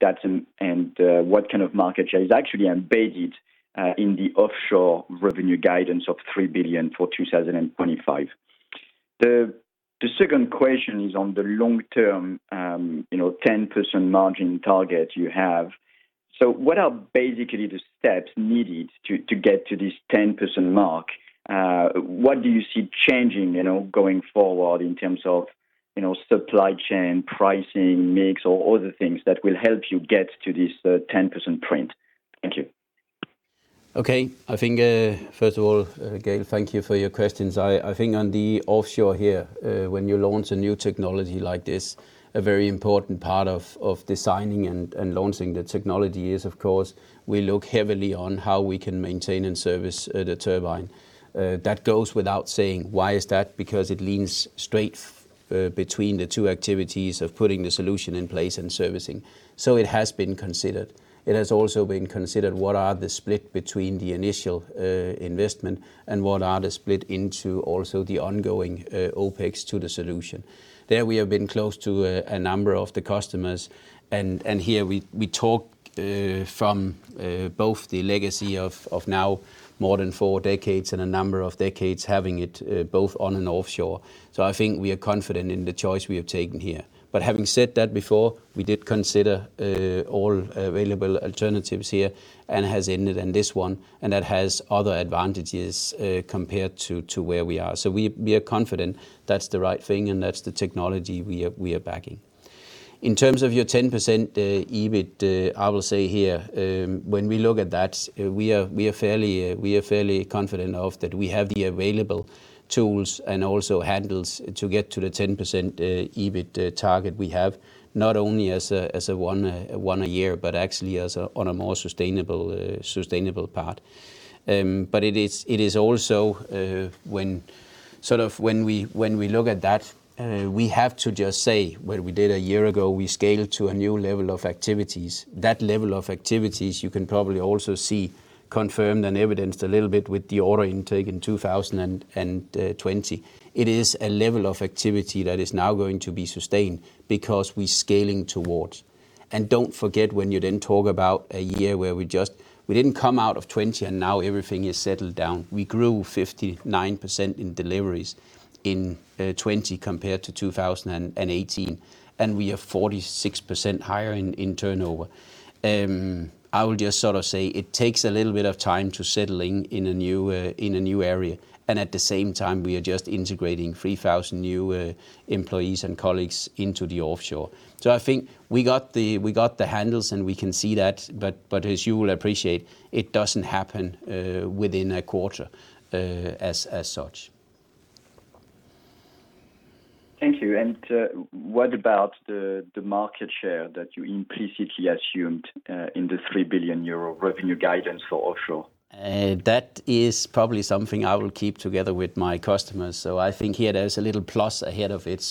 what kind of market share is actually embedded in the offshore revenue guidance of 3 billion for 2025? The second question is on the long-term 10% margin target you have. What are basically the steps needed to get to this 10% mark? What do you see changing, going forward in terms of supply chain, pricing, mix, or other things that will help you get to this 10% print? Thank you. First of all, Gael, thank you for your questions. I think on the offshore here, when you launch a new technology like this, a very important part of designing and launching the technology is, of course, we look heavily on how we can maintain and service the turbine. That goes without saying. Why is that? It leans straight between the two activities of putting the solution in place and servicing. It has been considered. It has also been considered what are the split between the initial investment and what are the split into also the ongoing OpEx to the solution. There we have been close to a number of the customers, and here we talk from both the legacy of now more than four decades and a number of decades having it both on and offshore. I think we are confident in the choice we have taken here. Having said that, before, we did consider all available alternatives here, and has ended in this one, and that has other advantages compared to where we are. We are confident that's the right thing and that's the technology we are backing. In terms of your 10% EBIT, I will say here, when we look at that, we are fairly confident of that we have the available tools and also handles to get to the 10% EBIT target we have, not only as a one a year, but actually on a more sustainable path. It is also when we look at that, we have to just say what we did a year ago, we scaled to a new level of activities. That level of activities you can probably also see confirmed and evidenced a little bit with the order intake in 2020. It is a level of activity that is now going to be sustained because we're scaling towards. Don't forget when you then talk about a year where we didn't come out of 2020 and now everything is settled down. We grew 59% in deliveries in 2020 compared to 2018, and we are 46% higher in turnover. I will just sort of say it takes a little bit of time to settle in in a new area. At the same time, we are just integrating 3,000 new employees and colleagues into the offshore. I think we got the handles, and we can see that, but as you will appreciate, it doesn't happen within a quarter as such. Thank you. What about the market share that you implicitly assumed in the 3 billion euro revenue guidance for offshore? That is probably something I will keep together with my customers. I think here there is a little plus ahead of it.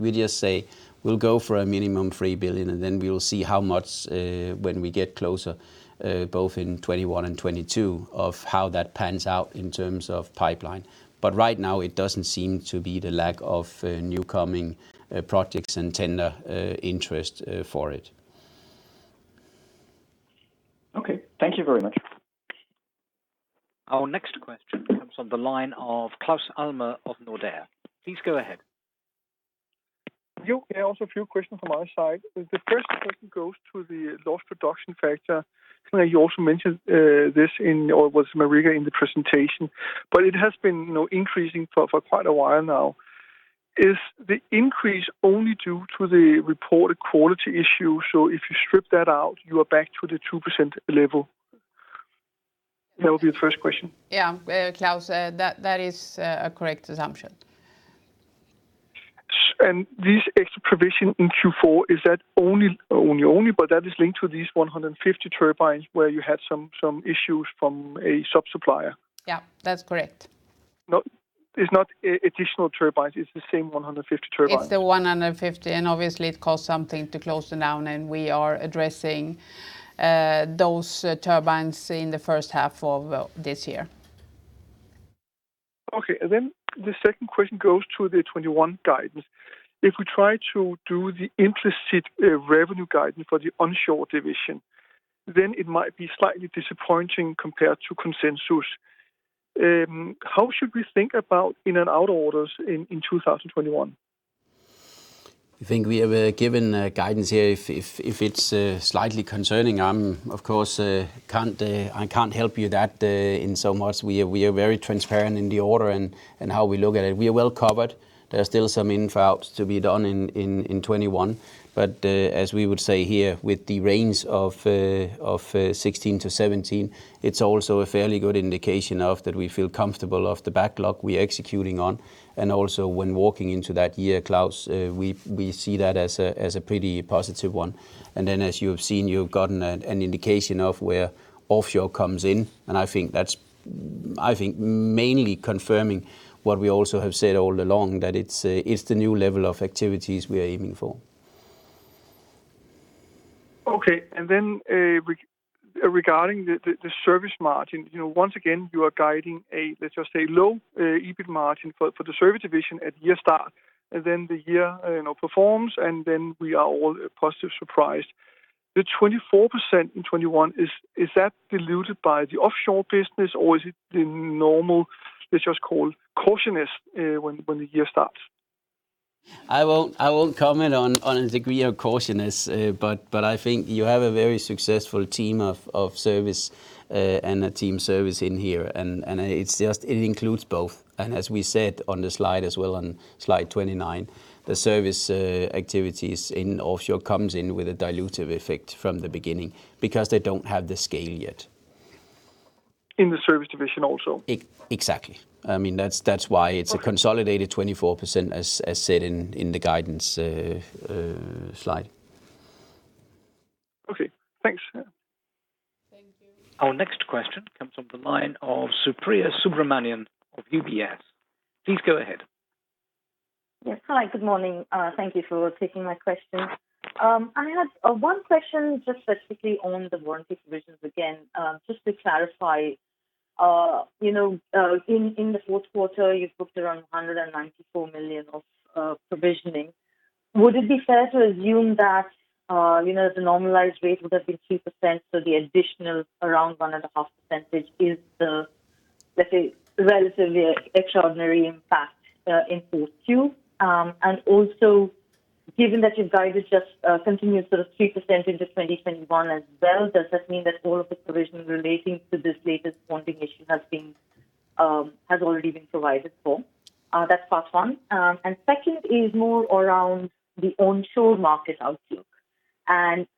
We just say we'll go for a minimum 3 billion, and then we will see how much, when we get closer, both in 2021 and 2022, of how that pans out in terms of pipeline. Right now it doesn't seem to be the lack of new coming projects and tender interest for it. Okay. Thank you very much. Our next question comes on the line of Claus Almer of Nordea. Please go ahead. Also a few questions from my side. The first question goes to the lost production factor. You also mentioned this in, or was it Marika in the presentation? It has been increasing for quite a while now. Is the increase only due to the reported quality issue? If you strip that out, you are back to the 2% level? That would be the first question. Yeah. Claus, that is a correct assumption. This extra provision in Q4, but that is linked to these 150 turbines where you had some issues from a sub-supplier? Yeah. That's correct. No, it's not additional turbines, it's the same 150 turbines. It's the 150, and obviously it costs something to close them down, and we are addressing those turbines in the first half of this year. Okay. The second question goes to the 2021 guidance. If we try to do the implicit revenue guidance for the onshore division, then it might be slightly disappointing compared to consensus. How should we think about in and out orders in 2021? I think we have given guidance here. If it's slightly concerning, of course, I can't help you that in so much. We are very transparent in the order and how we look at it. We are well covered. There are still some in/outs to be done in 2021. As we would say here, with the range of 16-17, it's also a fairly good indication of that we feel comfortable of the backlog we are executing on. Also when walking into that year, Claus, we see that as a pretty positive one. Then as you have seen, you have gotten an indication of where offshore comes in, and I think that's mainly confirming what we also have said all along, that it's the new level of activities we are aiming for. Okay. Regarding the service margin, once again you are guiding a, let's just say low EBIT margin for the service division at year start, and then the year performs, and then we are all positive surprised. The 24% in 2021, is that diluted by the offshore business, or is it the normal, let's just call it cautiousness, when the year starts? I won't comment on a degree of cautiousness, but I think you have a very successful team of service and a team service in here, and it includes both. As we said on the slide as well, on slide 29, the service activities in offshore comes in with a dilutive effect from the beginning because they don't have the scale yet. In the service division also? Exactly. That's why it's a consolidated 24%, as said in the guidance slide. Okay, thanks. Thank you. Our next question comes from the line of Supriya Subramanian of UBS. Please go ahead. Yes. Hi, good morning. Thank you for taking my question. I had one question just specifically on the warranty provisions again, just to clarify. In the fourth quarter, you booked around 194 million of provisioning. Would it be fair to assume that the normalized rate would have been 3%, so the additional around 1.5% is the, let's say, relatively extraordinary impact in Q4? Given that your guidance just continues sort of 3% into 2021 as well, does that mean that all of the provisions relating to this latest warranty issue has already been provided for? That's part one. Second is more around the onshore market outlook.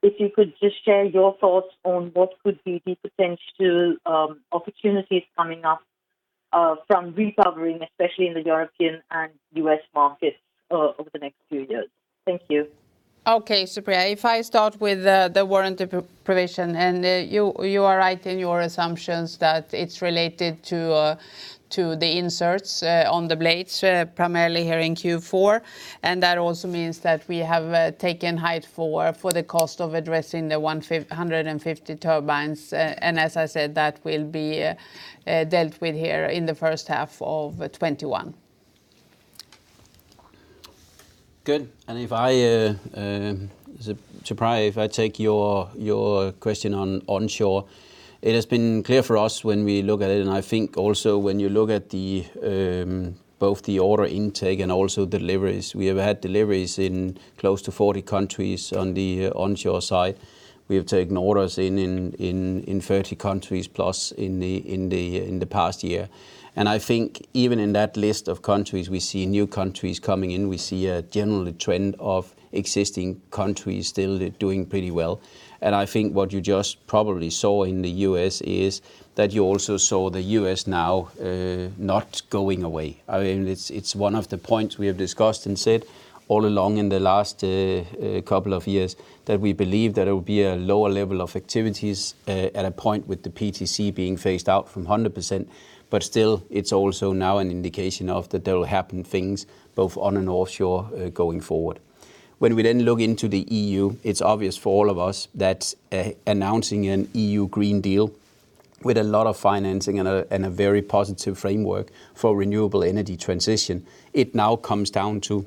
If you could just share your thoughts on what could be the potential opportunities coming up from recovering, especially in the European and U.S. markets, over the next few years. Thank you. Okay, Supriya, if I start with the warranty provision, you are right in your assumptions that it's related to the inserts on the blades, primarily here in Q4. That also means that we have taken a hit for the cost of addressing the 150 turbines. As I said, that will be dealt with here in the first half of 2021. Good. Supriya, if I take your question on onshore, it has been clear for us when we look at it, and I think also when you look at both the order intake and also deliveries, we have had deliveries in close to 40 countries on the onshore side. We have taken orders in 30 countries plus in the past year. I think even in that list of countries, we see new countries coming in. We see a general trend of existing countries still doing pretty well. I think what you just probably saw in the U.S. is that you also saw the U.S. now, not going away. It's one of the points we have discussed and said all along in the last couple of years, that we believe that it will be a lower level of activities at a point with the PTC being phased out from 100%. Still, it's also now an indication of that there will happen things both on and offshore going forward. When we then look into the EU, it's obvious for all of us that announcing an EU Green Deal with a lot of financing and a very positive framework for renewable energy transition, it now comes down to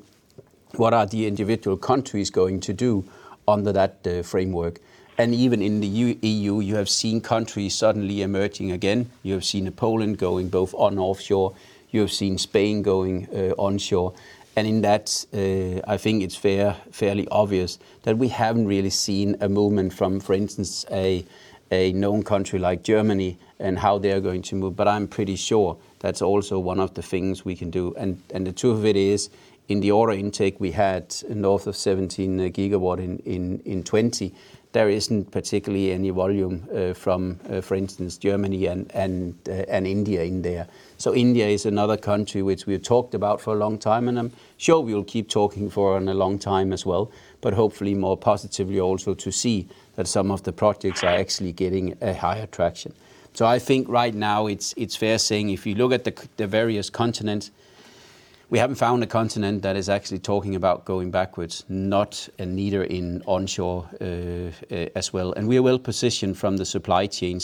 what are the individual countries going to do under that framework. Even in the EU, you have seen countries suddenly emerging again. You have seen Poland going both on and offshore. You have seen Spain going onshore. In that, I think it's fairly obvious that we haven't really seen a movement from, for instance, a known country like Germany and how they're going to move. I'm pretty sure that's also one of the things we can do. The truth of it is, in the order intake we had north of 17 GW in 2020, there isn't particularly any volume from, for instance, Germany and India in there. India is another country which we have talked about for a long time, and I'm sure we will keep talking for a long time as well, but hopefully more positively also to see that some of the projects are actually getting a higher traction. I think right now it's fair saying, if you look at the various continents, we haven't found a continent that is actually talking about going backwards, not neither in onshore, as well. We are well-positioned from the supply chain.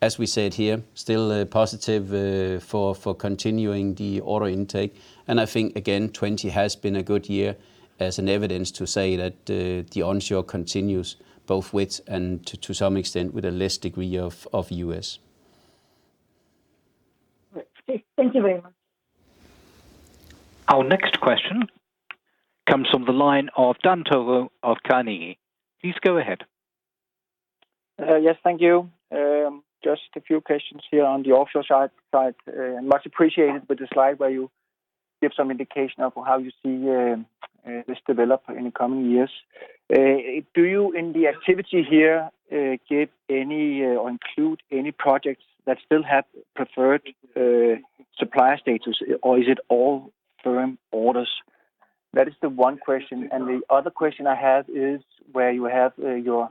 As we said here, still positive for continuing the order intake. I think again, 2020 has been a good year as an evidence to say that the onshore continues both with, and to some extent, with a less degree of U.S. Thank you very much. Our next question comes from the line of Dan Togo of Carnegie. Please go ahead. Yes, thank you. Just a few questions here on the offshore side. Much appreciated with the slide where you give some indication of how you see this develop in the coming years. Do you, in the activity here, give any or include any projects that still have preferred supplier status, or is it all firm orders? That is the one question. The other question I have is where you have your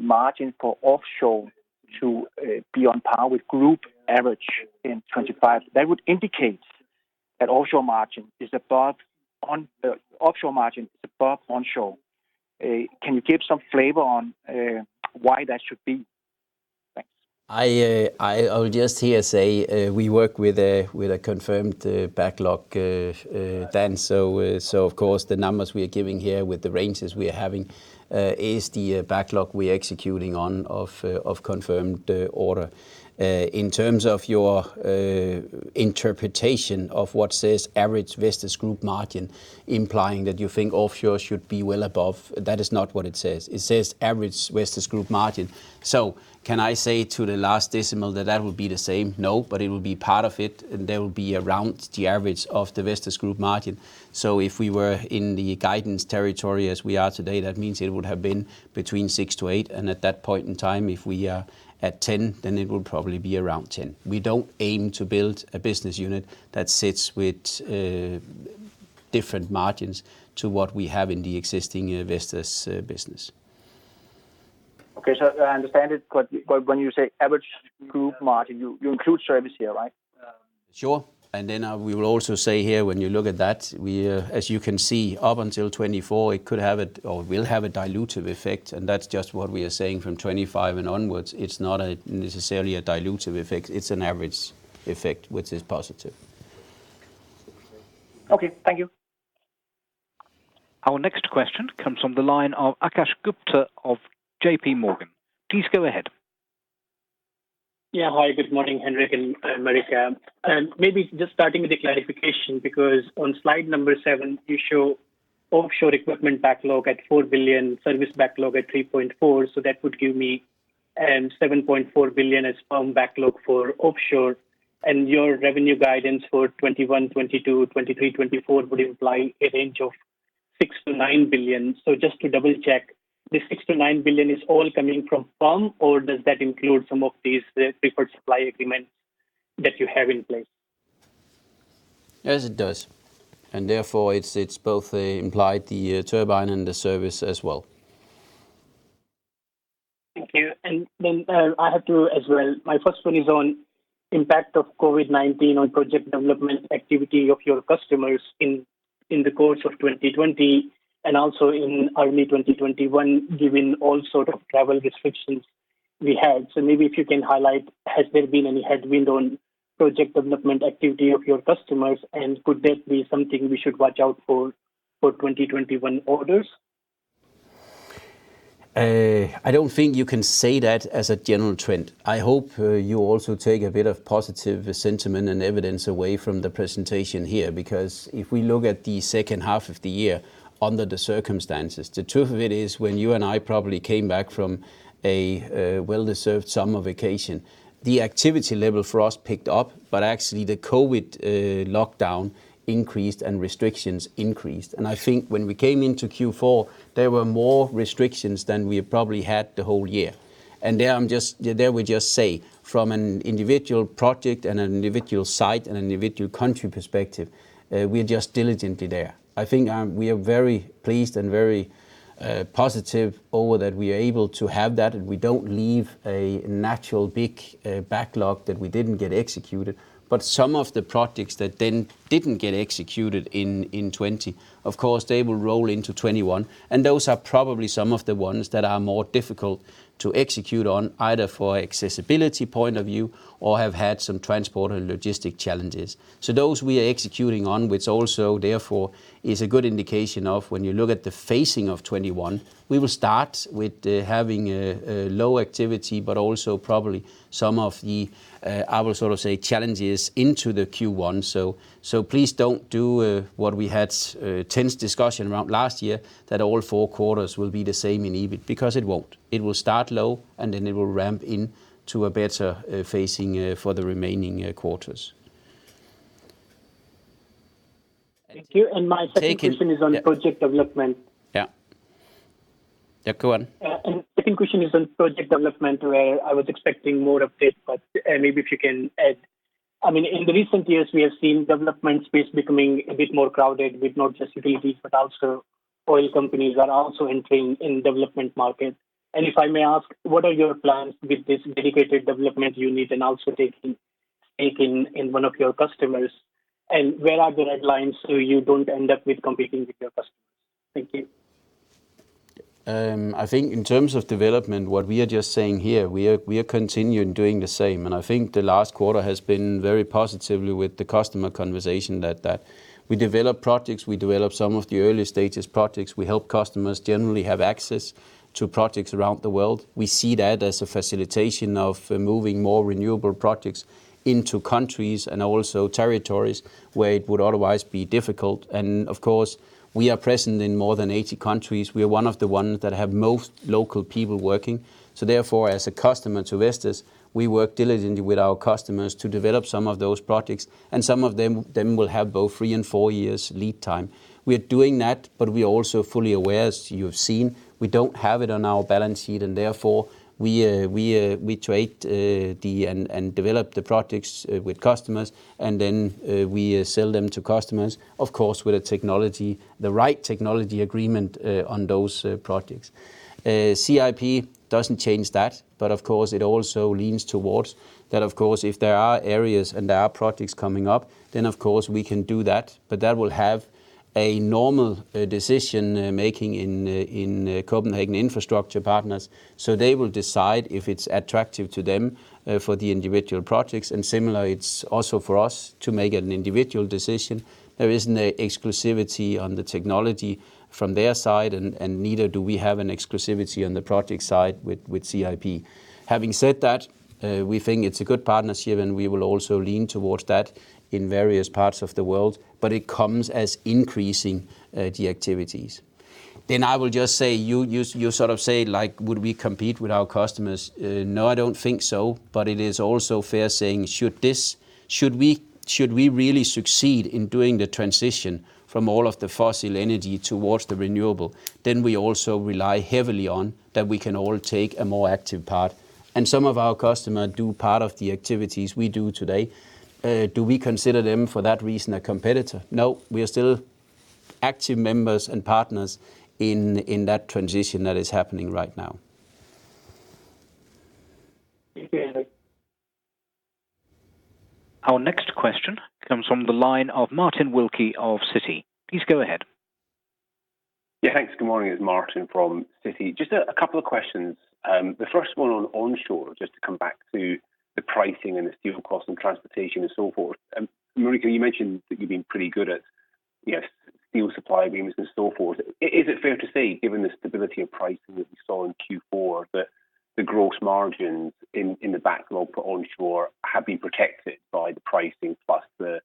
margin for offshore to be on par with group average in 2025. That would indicate that offshore margin is above onshore. Can you give some flavor on why that should be? Thanks. I will just here say we work with a confirmed backlog then. Of course, the numbers we are giving here with the ranges we are having is the backlog we are executing on of confirmed order. In terms of your interpretation of what says average Vestas group margin implying that you think offshore should be well above, that is not what it says. It says average Vestas group margin. Can I say to the last decimal that that will be the same? No, but it will be part of it, and there will be around the average of the Vestas group margin. If we were in the guidance territory as we are today, that means it would have been between 6%-8%, and at that point in time, if we are at 10%, then it will probably be around 10%. We don't aim to build a business unit that sits with different margins to what we have in the existing Vestas business. Okay. I understand it, but when you say average group margin, you include service here, right? Sure. We will also say here when you look at that, as you can see, up until 2024, it could have a or will have a dilutive effect, and that's just what we are saying from 2025 and onwards. It's not necessarily a dilutive effect. It's an average effect, which is positive. Okay. Thank you. Our next question comes from the line of Akash Gupta of JPMorgan. Please go ahead. Hi. Good morning, Henrik and Marika. Maybe just starting with the clarification, because on slide number seven, you show offshore equipment backlog at 4 billion, service backlog at 3.4 billion, so that would give me 7.4 billion as firm backlog for offshore. Your revenue guidance for 2021, 2022, 2023, 2024 would imply a range of 6 billion-9 billion. Just to double-check, this 6 billion-9 billion is all coming from firm, or does that include some of these preferred supply agreements that you have in place? Yes, it does. Therefore, it's both implied the turbine and the service as well. Thank you. I have two as well. My first one is on impact of COVID-19 on project development activity of your customers in the course of 2020, and also in early 2021, given all sort of travel restrictions we had. Maybe if you can highlight, has there been any headwind on project development activity of your customers, and could that be something we should watch out for 2021 orders? I don't think you can say that as a general trend. I hope you also take a bit of positive sentiment and evidence away from the presentation here, because if we look at the second half of the year, under the circumstances, the truth of it is, when you and I probably came back from a well-deserved summer vacation, the activity level for us picked up, but actually the COVID-19 lockdown increased and restrictions increased. I think when we came into Q4, there were more restrictions than we probably had the whole year. There I would just say, from an individual project, an individual site, an individual country perspective, we are just diligently there. I think we are very pleased and very positive over that we are able to have that, and we don't leave a natural big backlog that we didn't get executed. Some of the projects that then didn't get executed in 2020, of course, they will roll into 2021, and those are probably some of the ones that are more difficult to execute on, either for accessibility point of view or have had some transport or logistic challenges. Those we are executing on, which also therefore is a good indication of when you look at the facing of 2021, we will start with having a low activity, but also probably some of the, I will sort of say, challenges into the Q1. Please don't do what we had tense discussion around last year, that all four quarters will be the same in EBIT, because it won't. It will start low, and then it will ramp in to a better facing for the remaining quarters. Thank you. My second- Take it. Yeah question is on project development. Yeah. Yeah, go on. Second question is on project development, where I was expecting more updates, but maybe if you can add. In the recent years, we have seen development space becoming a bit more crowded with not just EVs, but also oil companies are also entering in development market. If I may ask, what are your plans with this dedicated development unit and also taking in one of your customers, and where are the red lines so you don't end up with competing with your customers? Thank you. I think in terms of development, what we are just saying here, we are continuing doing the same. I think the last quarter has been very positively with the customer conversation that we develop projects, we develop some of the early stages projects. We help customers generally have access to projects around the world. We see that as a facilitation of moving more renewable projects into countries and also territories where it would otherwise be difficult. Of course, we are present in more than 80 countries. We are one of the ones that have most local people working. Therefore, as a customer to Vestas. We work diligently with our customers to develop some of those projects, and some of them will have both three and four years lead time. We are doing that, but we are also fully aware, as you have seen, we don't have it on our balance sheet, and therefore we trade and develop the projects with customers, and then we sell them to customers, of course, with the right technology agreement on those projects. CIP doesn't change that, but of course it also leans towards that, of course, if there are areas and there are projects coming up, then of course we can do that, but that will have a normal decision-making in Copenhagen Infrastructure Partners. They will decide if it's attractive to them for the individual projects. Similar, it's also for us to make an individual decision. There isn't exclusivity on the technology from their side, and neither do we have an exclusivity on the project side with CIP. Having said that, we think it's a good partnership, and we will also lean towards that in various parts of the world, but it comes as increasing the activities. I will just say, you sort of say, would we compete with our customers? No, I don't think so, but it is also fair saying should we really succeed in doing the transition from all of the fossil energy towards the renewable, then we also rely heavily on that we can all take a more active part. Some of our customers do part of the activities we do today. Do we consider them, for that reason, a competitor? No. We are still active members and partners in that transition that is happening right now. Thank you, Henrik. Our next question comes from the line of Martin Wilkie of Citi. Please go ahead. Yeah, thanks. Good morning. It's Martin from Citi. Just a couple of questions. The first one on onshore, just to come back to the pricing and the steel costs and transportation and so forth. Marika, you mentioned that you've been pretty good at steel supply agreements and so forth. Is it fair to say, given the stability of pricing that we saw in Q4, that the gross margins in the backlog for onshore have been protected by the pricing plus the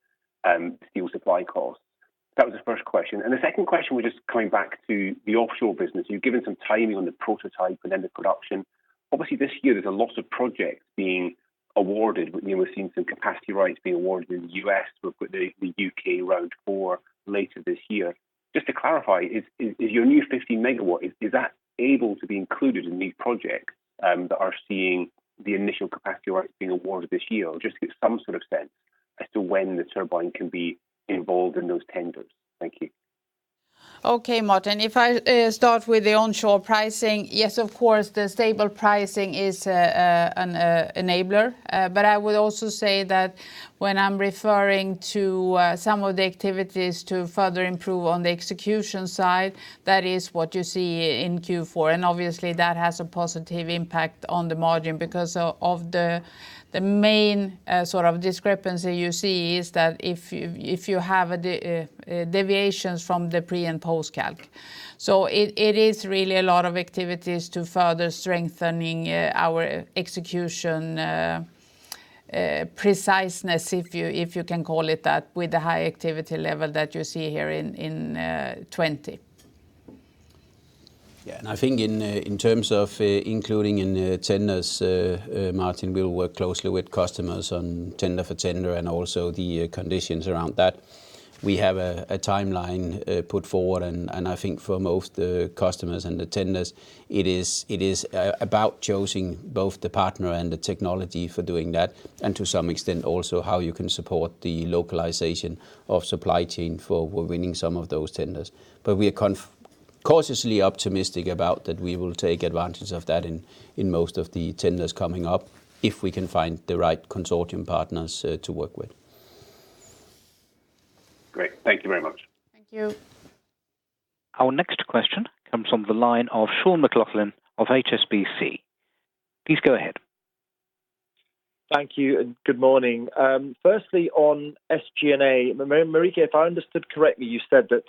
steel supply costs? That was the first question. The second question was just coming back to the offshore business. You've given some timing on the prototype and then the production. Obviously, this year there's a lot of projects being awarded. We've seen some capacity rights being awarded in the U.S. We've got the U.K. Round 4 later this year. Just to clarify, is your new 15 MW, is that able to be included in these projects that are seeing the initial capacity rights being awarded this year? Just give some sort of sense as to when the turbine can be involved in those tenders? Thank you. Okay, Martin. If I start with the onshore pricing, yes, of course, the stable pricing is an enabler. I would also say that when I'm referring to some of the activities to further improve on the execution side, that is what you see in Q4, and obviously that has a positive impact on the margin because of the main sort of discrepancy you see is that if you have deviations from the pre and post calc. It is really a lot of activities to further strengthening our execution preciseness, if you can call it that, with the high activity level that you see here in 2020. Yeah. I think in terms of including in tenders, Martin, we'll work closely with customers on tender for tender and also the conditions around that. We have a timeline put forward, I think for most customers and the tenders, it is about choosing both the partner and the technology for doing that, and to some extent also how you can support the localization of supply chain for winning some of those tenders. We are cautiously optimistic about that we will take advantage of that in most of the tenders coming up, if we can find the right consortium partners to work with. Great. Thank you very much. Thank you. Our next question comes from the line of Sean McLoughlin of HSBC. Please go ahead. Thank you, and good morning. Firstly, on SG&A, Marika, if I understood correctly, you said that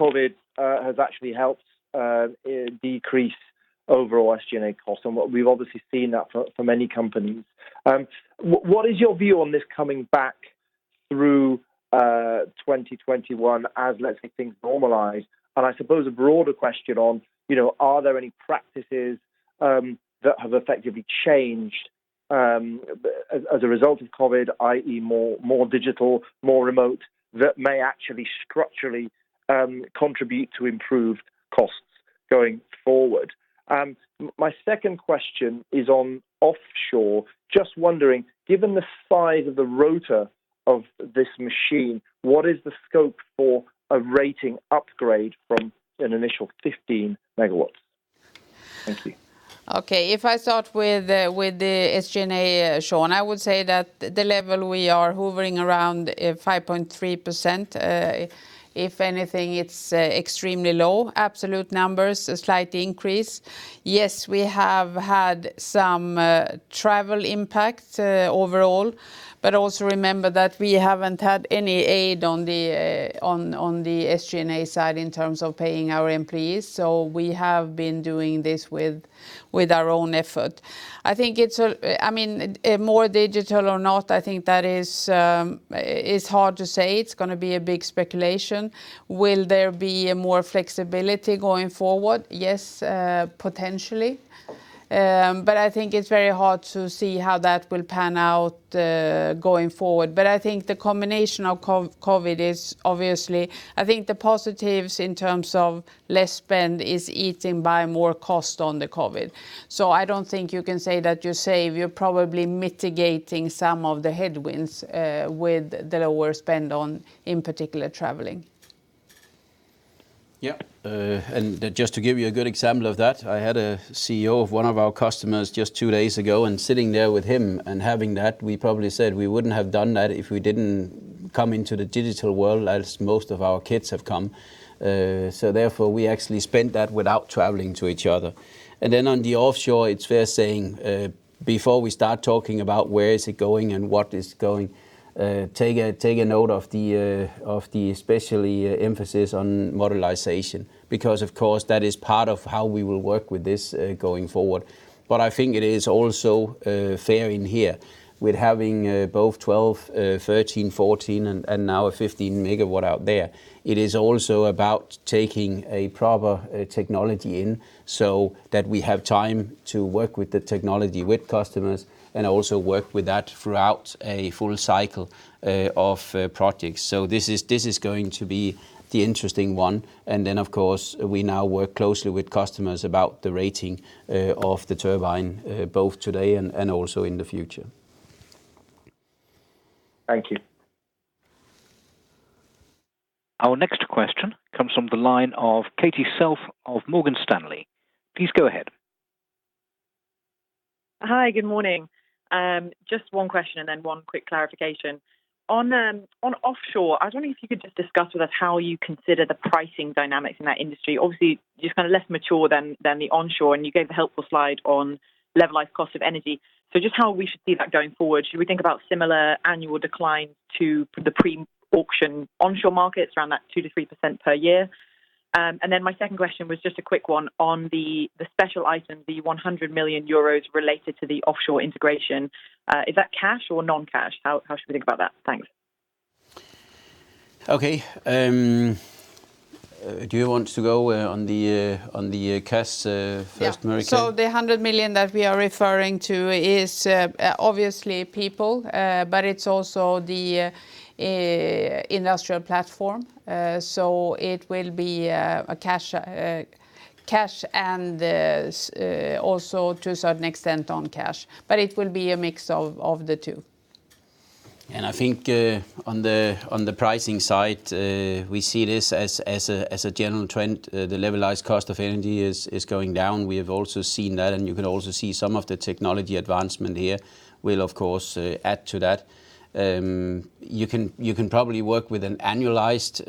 COVID-19 has actually helped decrease overall SG&A costs, and we've obviously seen that for many companies. What is your view on this coming back through 2021 as, let's say, things normalize? I suppose a broader question on are there any practices that have effectively changed as a result of COVID-19, i.e. more digital, more remote, that may actually structurally contribute to improved costs going forward? My second question is on offshore. Just wondering, given the size of the rotor of this machine, what is the scope for a rating upgrade from an initial 15 megawatts? Thank you. If I start with the SG&A, Sean, I would say that the level we are hovering around 5.3%. If anything, it's extremely low. Absolute numbers, a slight increase. We have had some travel impact overall, but also remember that we haven't had any aid on the SG&A side in terms of paying our employees. We have been doing this with our own effort. More digital or not, I think that is hard to say. It's going to be a big speculation. Will there be more flexibility going forward? Potentially. I think it's very hard to see how that will pan out going forward. I think the combination of COVID is obviously, I think the positives in terms of less spend is eaten by more cost on the COVID. I don't think you can say that you save, you're probably mitigating some of the headwinds with the lower spend on, in particular, traveling. Yeah. Just to give you a good example of that, I had a CEO of one of our customers just two days ago, and sitting there with him and having that, we probably said we wouldn't have done that if we didn't come into the digital world, as most of our kids have come. Therefore, we actually spent that without traveling to each other. Then on the offshore, it's fair saying, before we start talking about where is it going and what is going, take a note of the especially emphasis on modularization, because of course that is part of how we will work with this going forward. I think it is also fair in here, with having both 12 MW, 13 MW, 14 MW, and now a 15 MW out there, it is also about taking a proper technology in so that we have time to work with the technology with customers, and also work with that throughout a full cycle of projects. This is going to be the interesting one. Then, of course, we now work closely with customers about the rating of the turbine, both today and also in the future. Thank you. Our next question comes from the line of Katie Self of Morgan Stanley. Please go ahead. Hi, good morning. Just one question. Then one quick clarification. On offshore, I was wondering if you could just discuss with us how you consider the pricing dynamics in that industry. Obviously, just kind of less mature than the onshore, and you gave a helpful slide on levelized cost of energy. Just how we should see that going forward. Should we think about similar annual declines to the pre-auction onshore markets, around that 2%-3% per year? Then my second question was just a quick one on the special item, the 100 million euros related to the offshore integration. Is that cash or non-cash? How should we think about that? Thanks. Okay. Do you want to go on the cash first, Marika? The 100 million that we are referring to is obviously people, but it's also the industrial platform. It will be a cash, and also to a certain extent non-cash, but it will be a mix of the two. I think on the pricing side, we see this as a general trend. The levelized cost of energy is going down. We have also seen that, and you can also see some of the technology advancement here will of course add to that. You can probably work with an annualized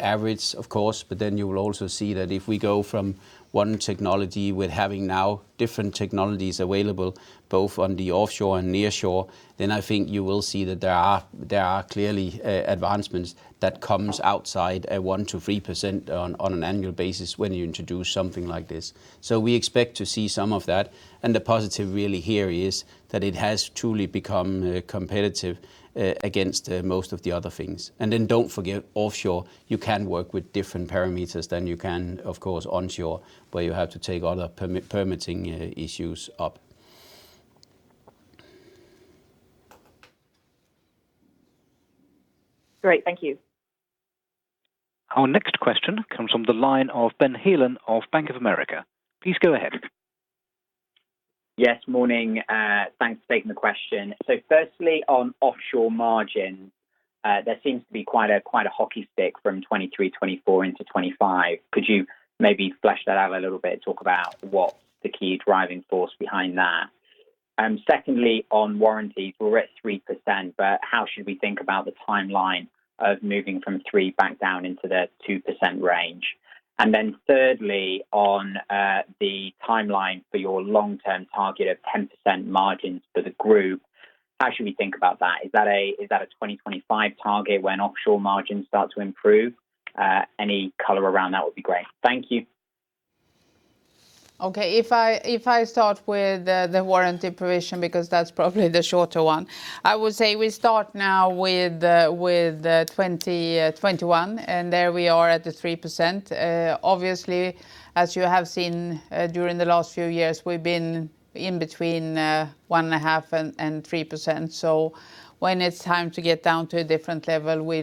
average, of course, then you will also see that if we go from one technology, with having now different technologies available both on the offshore and nearshore, then I think you will see that there are clearly advancements that comes outside a 1%-3% on an annual basis when you introduce something like this. We expect to see some of that, and the positive really here is that it has truly become competitive against most of the other things. Don't forget, offshore, you can work with different parameters than you can, of course, onshore, where you have to take other permitting issues up. Great. Thank you. Our next question comes from the line of Ben Heelan of Bank of America. Please go ahead. Yes, morning. Thanks for taking the question. Firstly, on offshore margin, there seems to be quite a hockey stick from 2023, 2024 into 2025. Could you maybe flesh that out a little bit? Talk about what the key driving force behind that. Secondly, on warranty, we're at 3%, but how should we think about the timeline of moving from 3% back down into the 2% range? Thirdly, on the timeline for your long-term target of 10% margins for the group, how should we think about that? Is that a 2025 target when offshore margins start to improve? Any color around that would be great. Thank you. Okay. If I start with the warranty provision, because that's probably the shorter one. I would say we start now with 2021, and there we are at the 3%. Obviously, as you have seen during the last few years, we've been in between 1.5% and 3%. When it's time to get down to a different level, we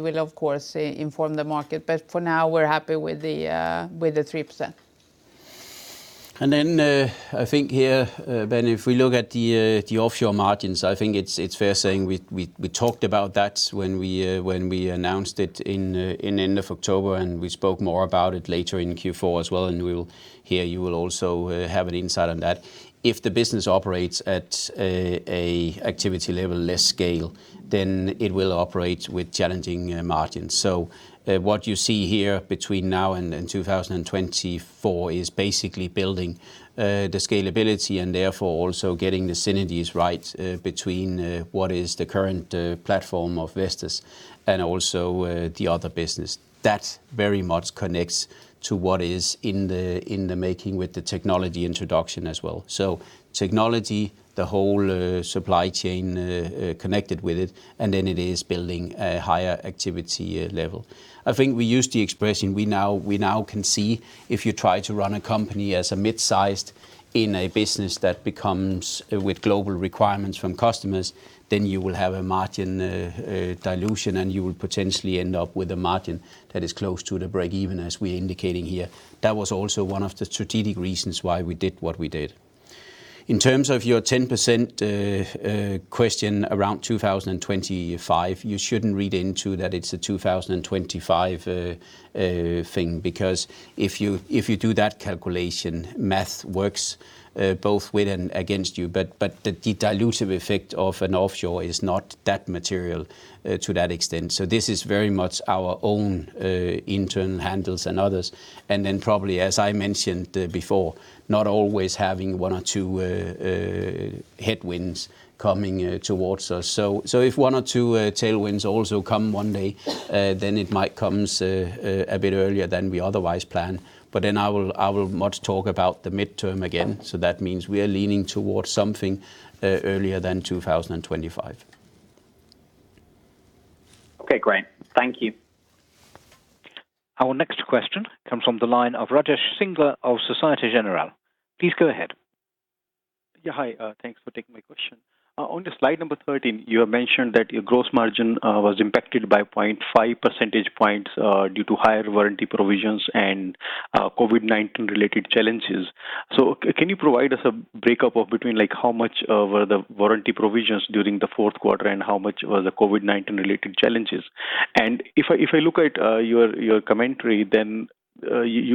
will of course inform the market, but for now we're happy with the 3%. I think here, Ben, if we look at the offshore margins, I think it's fair saying we talked about that when we announced it in end of October, and we spoke more about it later in Q4 as well, and here you will also have an insight on that. If the business operates at an activity level less scale, then it will operate with challenging margins. What you see here between now and 2024 is basically building the scalability and therefore also getting the synergies right between what is the current platform of Vestas and also the other business. That very much connects to what is in the making with the technology introduction as well. Technology, the whole supply chain connected with it, and then it is building a higher activity level. I think we used the expression, we now can see if you try to run a company as a mid-sized in a business that becomes with global requirements from customers, then you will have a margin dilution, and you will potentially end up with a margin that is close to the break even, as we are indicating here. That was also one of the strategic reasons why we did what we did. In terms of your 10% question around 2025, you shouldn't read into that it's a 2025 thing, because if you do that calculation, math works both with and against you. The dilutive effect of an offshore is not that material to that extent. This is very much our own internal handles and others, and then probably, as I mentioned before, not always having one or two headwinds coming towards us. If one or two tailwinds also come one day, then it might come a bit earlier than we otherwise plan. I will much talk about the midterm again. That means we are leaning towards something earlier than 2025. Okay, great. Thank you. Our next question comes from the line of Rajesh Singla of Societe Generale. Please go ahead. Yeah. Hi, thanks for taking my question. On slide number 13, you have mentioned that your gross margin was impacted by 0.5 percentage points due to higher warranty provisions and COVID-19 related challenges. Can you provide us a breakup of between how much were the warranty provisions during the fourth quarter, and how much was the COVID-19 related challenges? If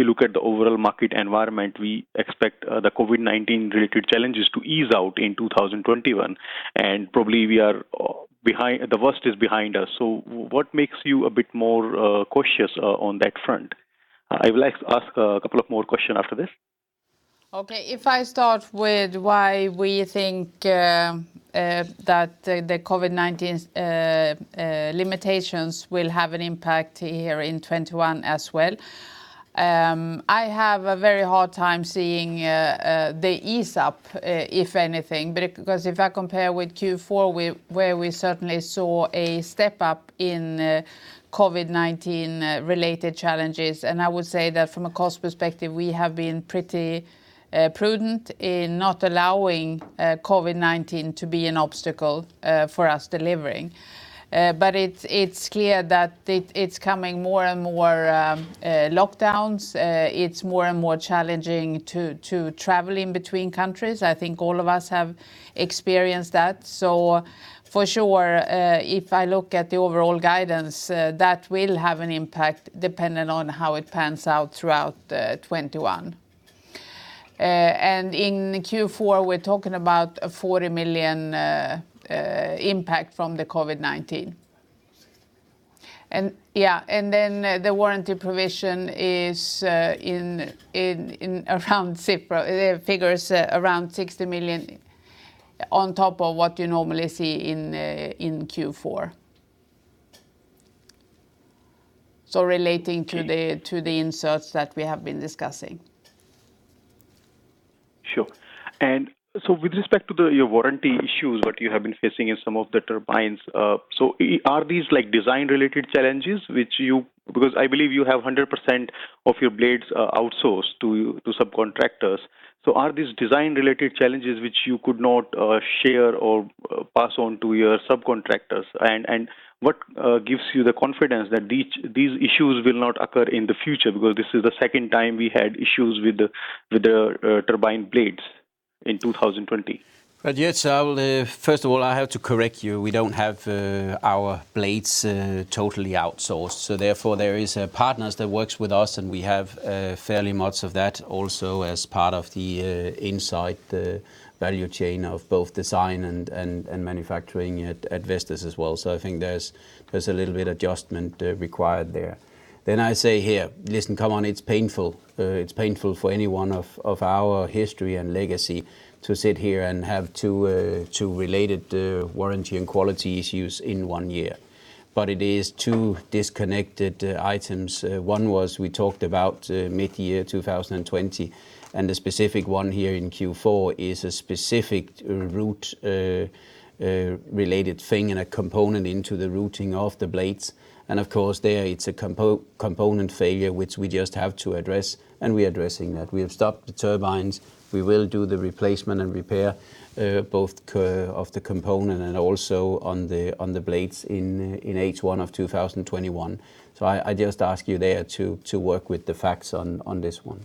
you look at the overall market environment, we expect the COVID-19 related challenges to ease out in 2021, and probably the worst is behind us. What makes you a bit more cautious on that front? I would like to ask a couple of more question after this. Okay. If I start with why we think that the COVID-19 limitations will have an impact here in 2021 as well. I have a very hard time seeing they ease up, if anything. If I compare with Q4, where we certainly saw a step up in COVID-19 related challenges, and I would say that from a cost perspective, we have been pretty prudent in not allowing COVID-19 to be an obstacle for us delivering. It's clear that it's coming more and more lockdowns. It's more and more challenging to travel in between countries. I think all of us have experienced that. For sure, if I look at the overall guidance, that will have an impact depending on how it pans out throughout 2021. In Q4, we're talking about a EUR 40 million impact from the COVID-19. Yeah, then the warranty provision figures around 60 million on top of what you normally see in Q4. Relating to the inserts that we have been discussing. Sure. With respect to your warranty issues, what you have been facing in some of the turbines, are these design-related challenges? I believe you have 100% of your blades outsourced to subcontractors. Are these design-related challenges which you could not share or pass on to your subcontractors? What gives you the confidence that these issues will not occur in the future? This is the second time we had issues with the turbine blades in 2020. Rajesh, first of all, I have to correct you. We don't have our blades totally outsourced, therefore, there is partners that works with us, and we have fairly much of that also as part of the inside the value chain of both design and manufacturing at Vestas as well. I think there's a little bit adjustment required there. I say here, listen, come on, it's painful. It's painful for anyone of our history and legacy to sit here and have two related warranty and quality issues in one year. It is two disconnected items. One was we talked about mid-year 2020, the specific one here in Q4 is a specific root-related thing and a component into the rooting of the blades. Of course, there it's a component failure, which we just have to address, and we are addressing that. We have stopped the turbines. We will do the replacement and repair, both of the component and also on the blades in H1 of 2021. I just ask you there to work with the facts on this one.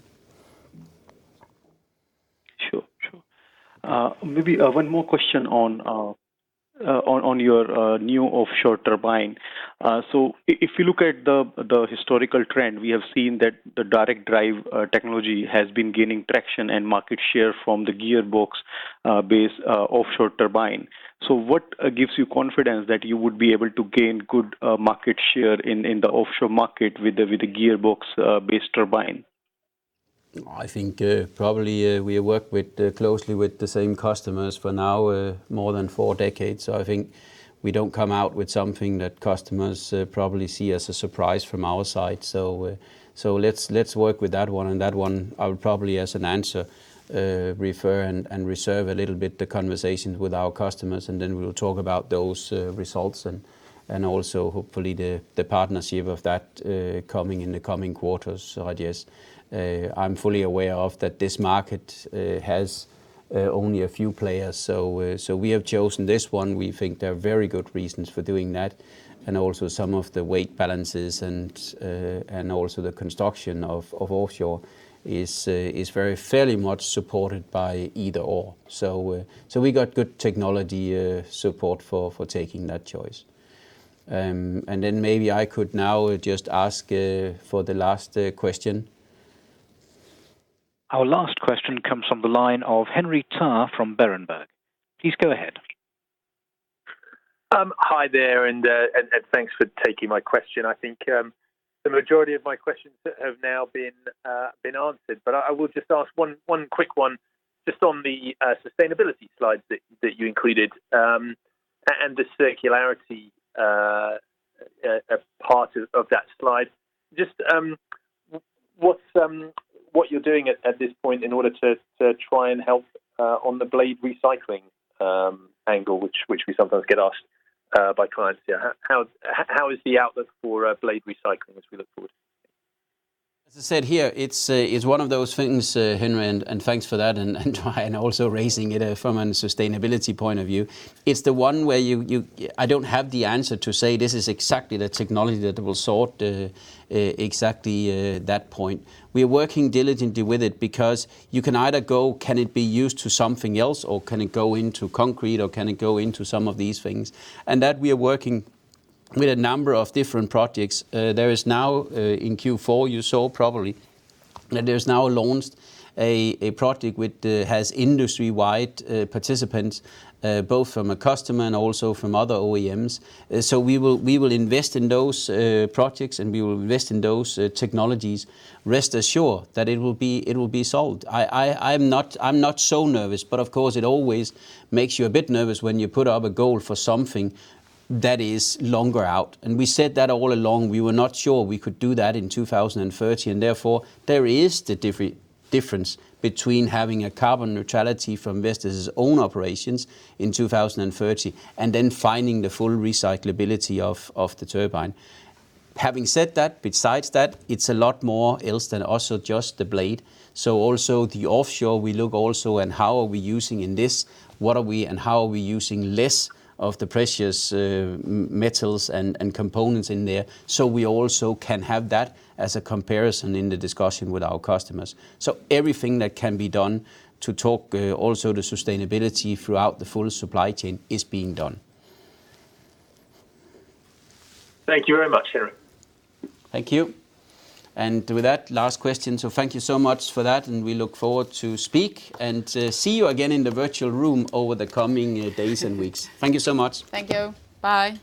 Sure. Maybe one more question on your new offshore turbine. If you look at the historical trend, we have seen that the direct drive technology has been gaining traction and market share from the gearbox-based offshore turbine. What gives you confidence that you would be able to gain good market share in the offshore market with the gearbox-based turbine? I think probably we work closely with the same customers for now more than four decades. I think we don't come out with something that customers probably see as a surprise from our side. Let's work with that one, and that one, I would probably, as an answer, refer and reserve a little the conversations with our customers, and then we will talk about those results, and also hopefully the partnership of that in the coming quarters. Rajesh, I'm fully aware of that this market has only a few players. We have chosen this one. We think there are very good reasons for doing that, and also some of the weight balances and also the construction of offshore is very fairly much supported by either/or. We got good technology support for taking that choice. Maybe I could now just ask for the last question. Our last question comes from the line of Henry Tarr from Berenberg. Please go ahead. Hi there. Thanks for taking my question. I think the majority of my questions have now been answered. I will just ask one quick one just on the sustainability slides that you included, the circularity part of that slide. Just what you're doing at this point in order to try and help on the blade recycling angle which we sometimes get asked by clients. Yeah. How is the outlook for blade recycling as we look forward? As I said here, it's one of those things, Henry. Thanks for that, and try and also raising it from a sustainability point of view. It's the one where I don't have the answer to say this is exactly the technology that will sort exactly that point. We are working diligently with it because you can either go, can it be used to something else, or can it go into concrete, or can it go into some of these things? That we are working with a number of different projects. There is now, in Q4, you saw probably, that there's now launched a project which has industry-wide participants, both from a customer and also from other OEMs. We will invest in those projects, and we will invest in those technologies. Rest assured that it will be solved. I'm not so nervous. Of course, it always makes you a bit nervous when you put up a goal for something that is longer out. We said that all along. We were not sure we could do that in 2030. Therefore, there is the difference between having a carbon neutrality for Vestas' own operations in 2030 and finding the full recyclability of the turbine. Having said that, besides that, it's a lot more else than also just the blade. Also the offshore, we look also how are we using in this, what are we and how are we using less of the precious metals and components in there. We also can have that as a comparison in the discussion with our customers. Everything that can be done to talk also the sustainability throughout the full supply chain is being done. Thank you very much, Henrik. Thank you. With that, last question. Thank you so much for that, and we look forward to speak and to see you again in the virtual room over the coming days and weeks. Thank you so much. Thank you. Bye.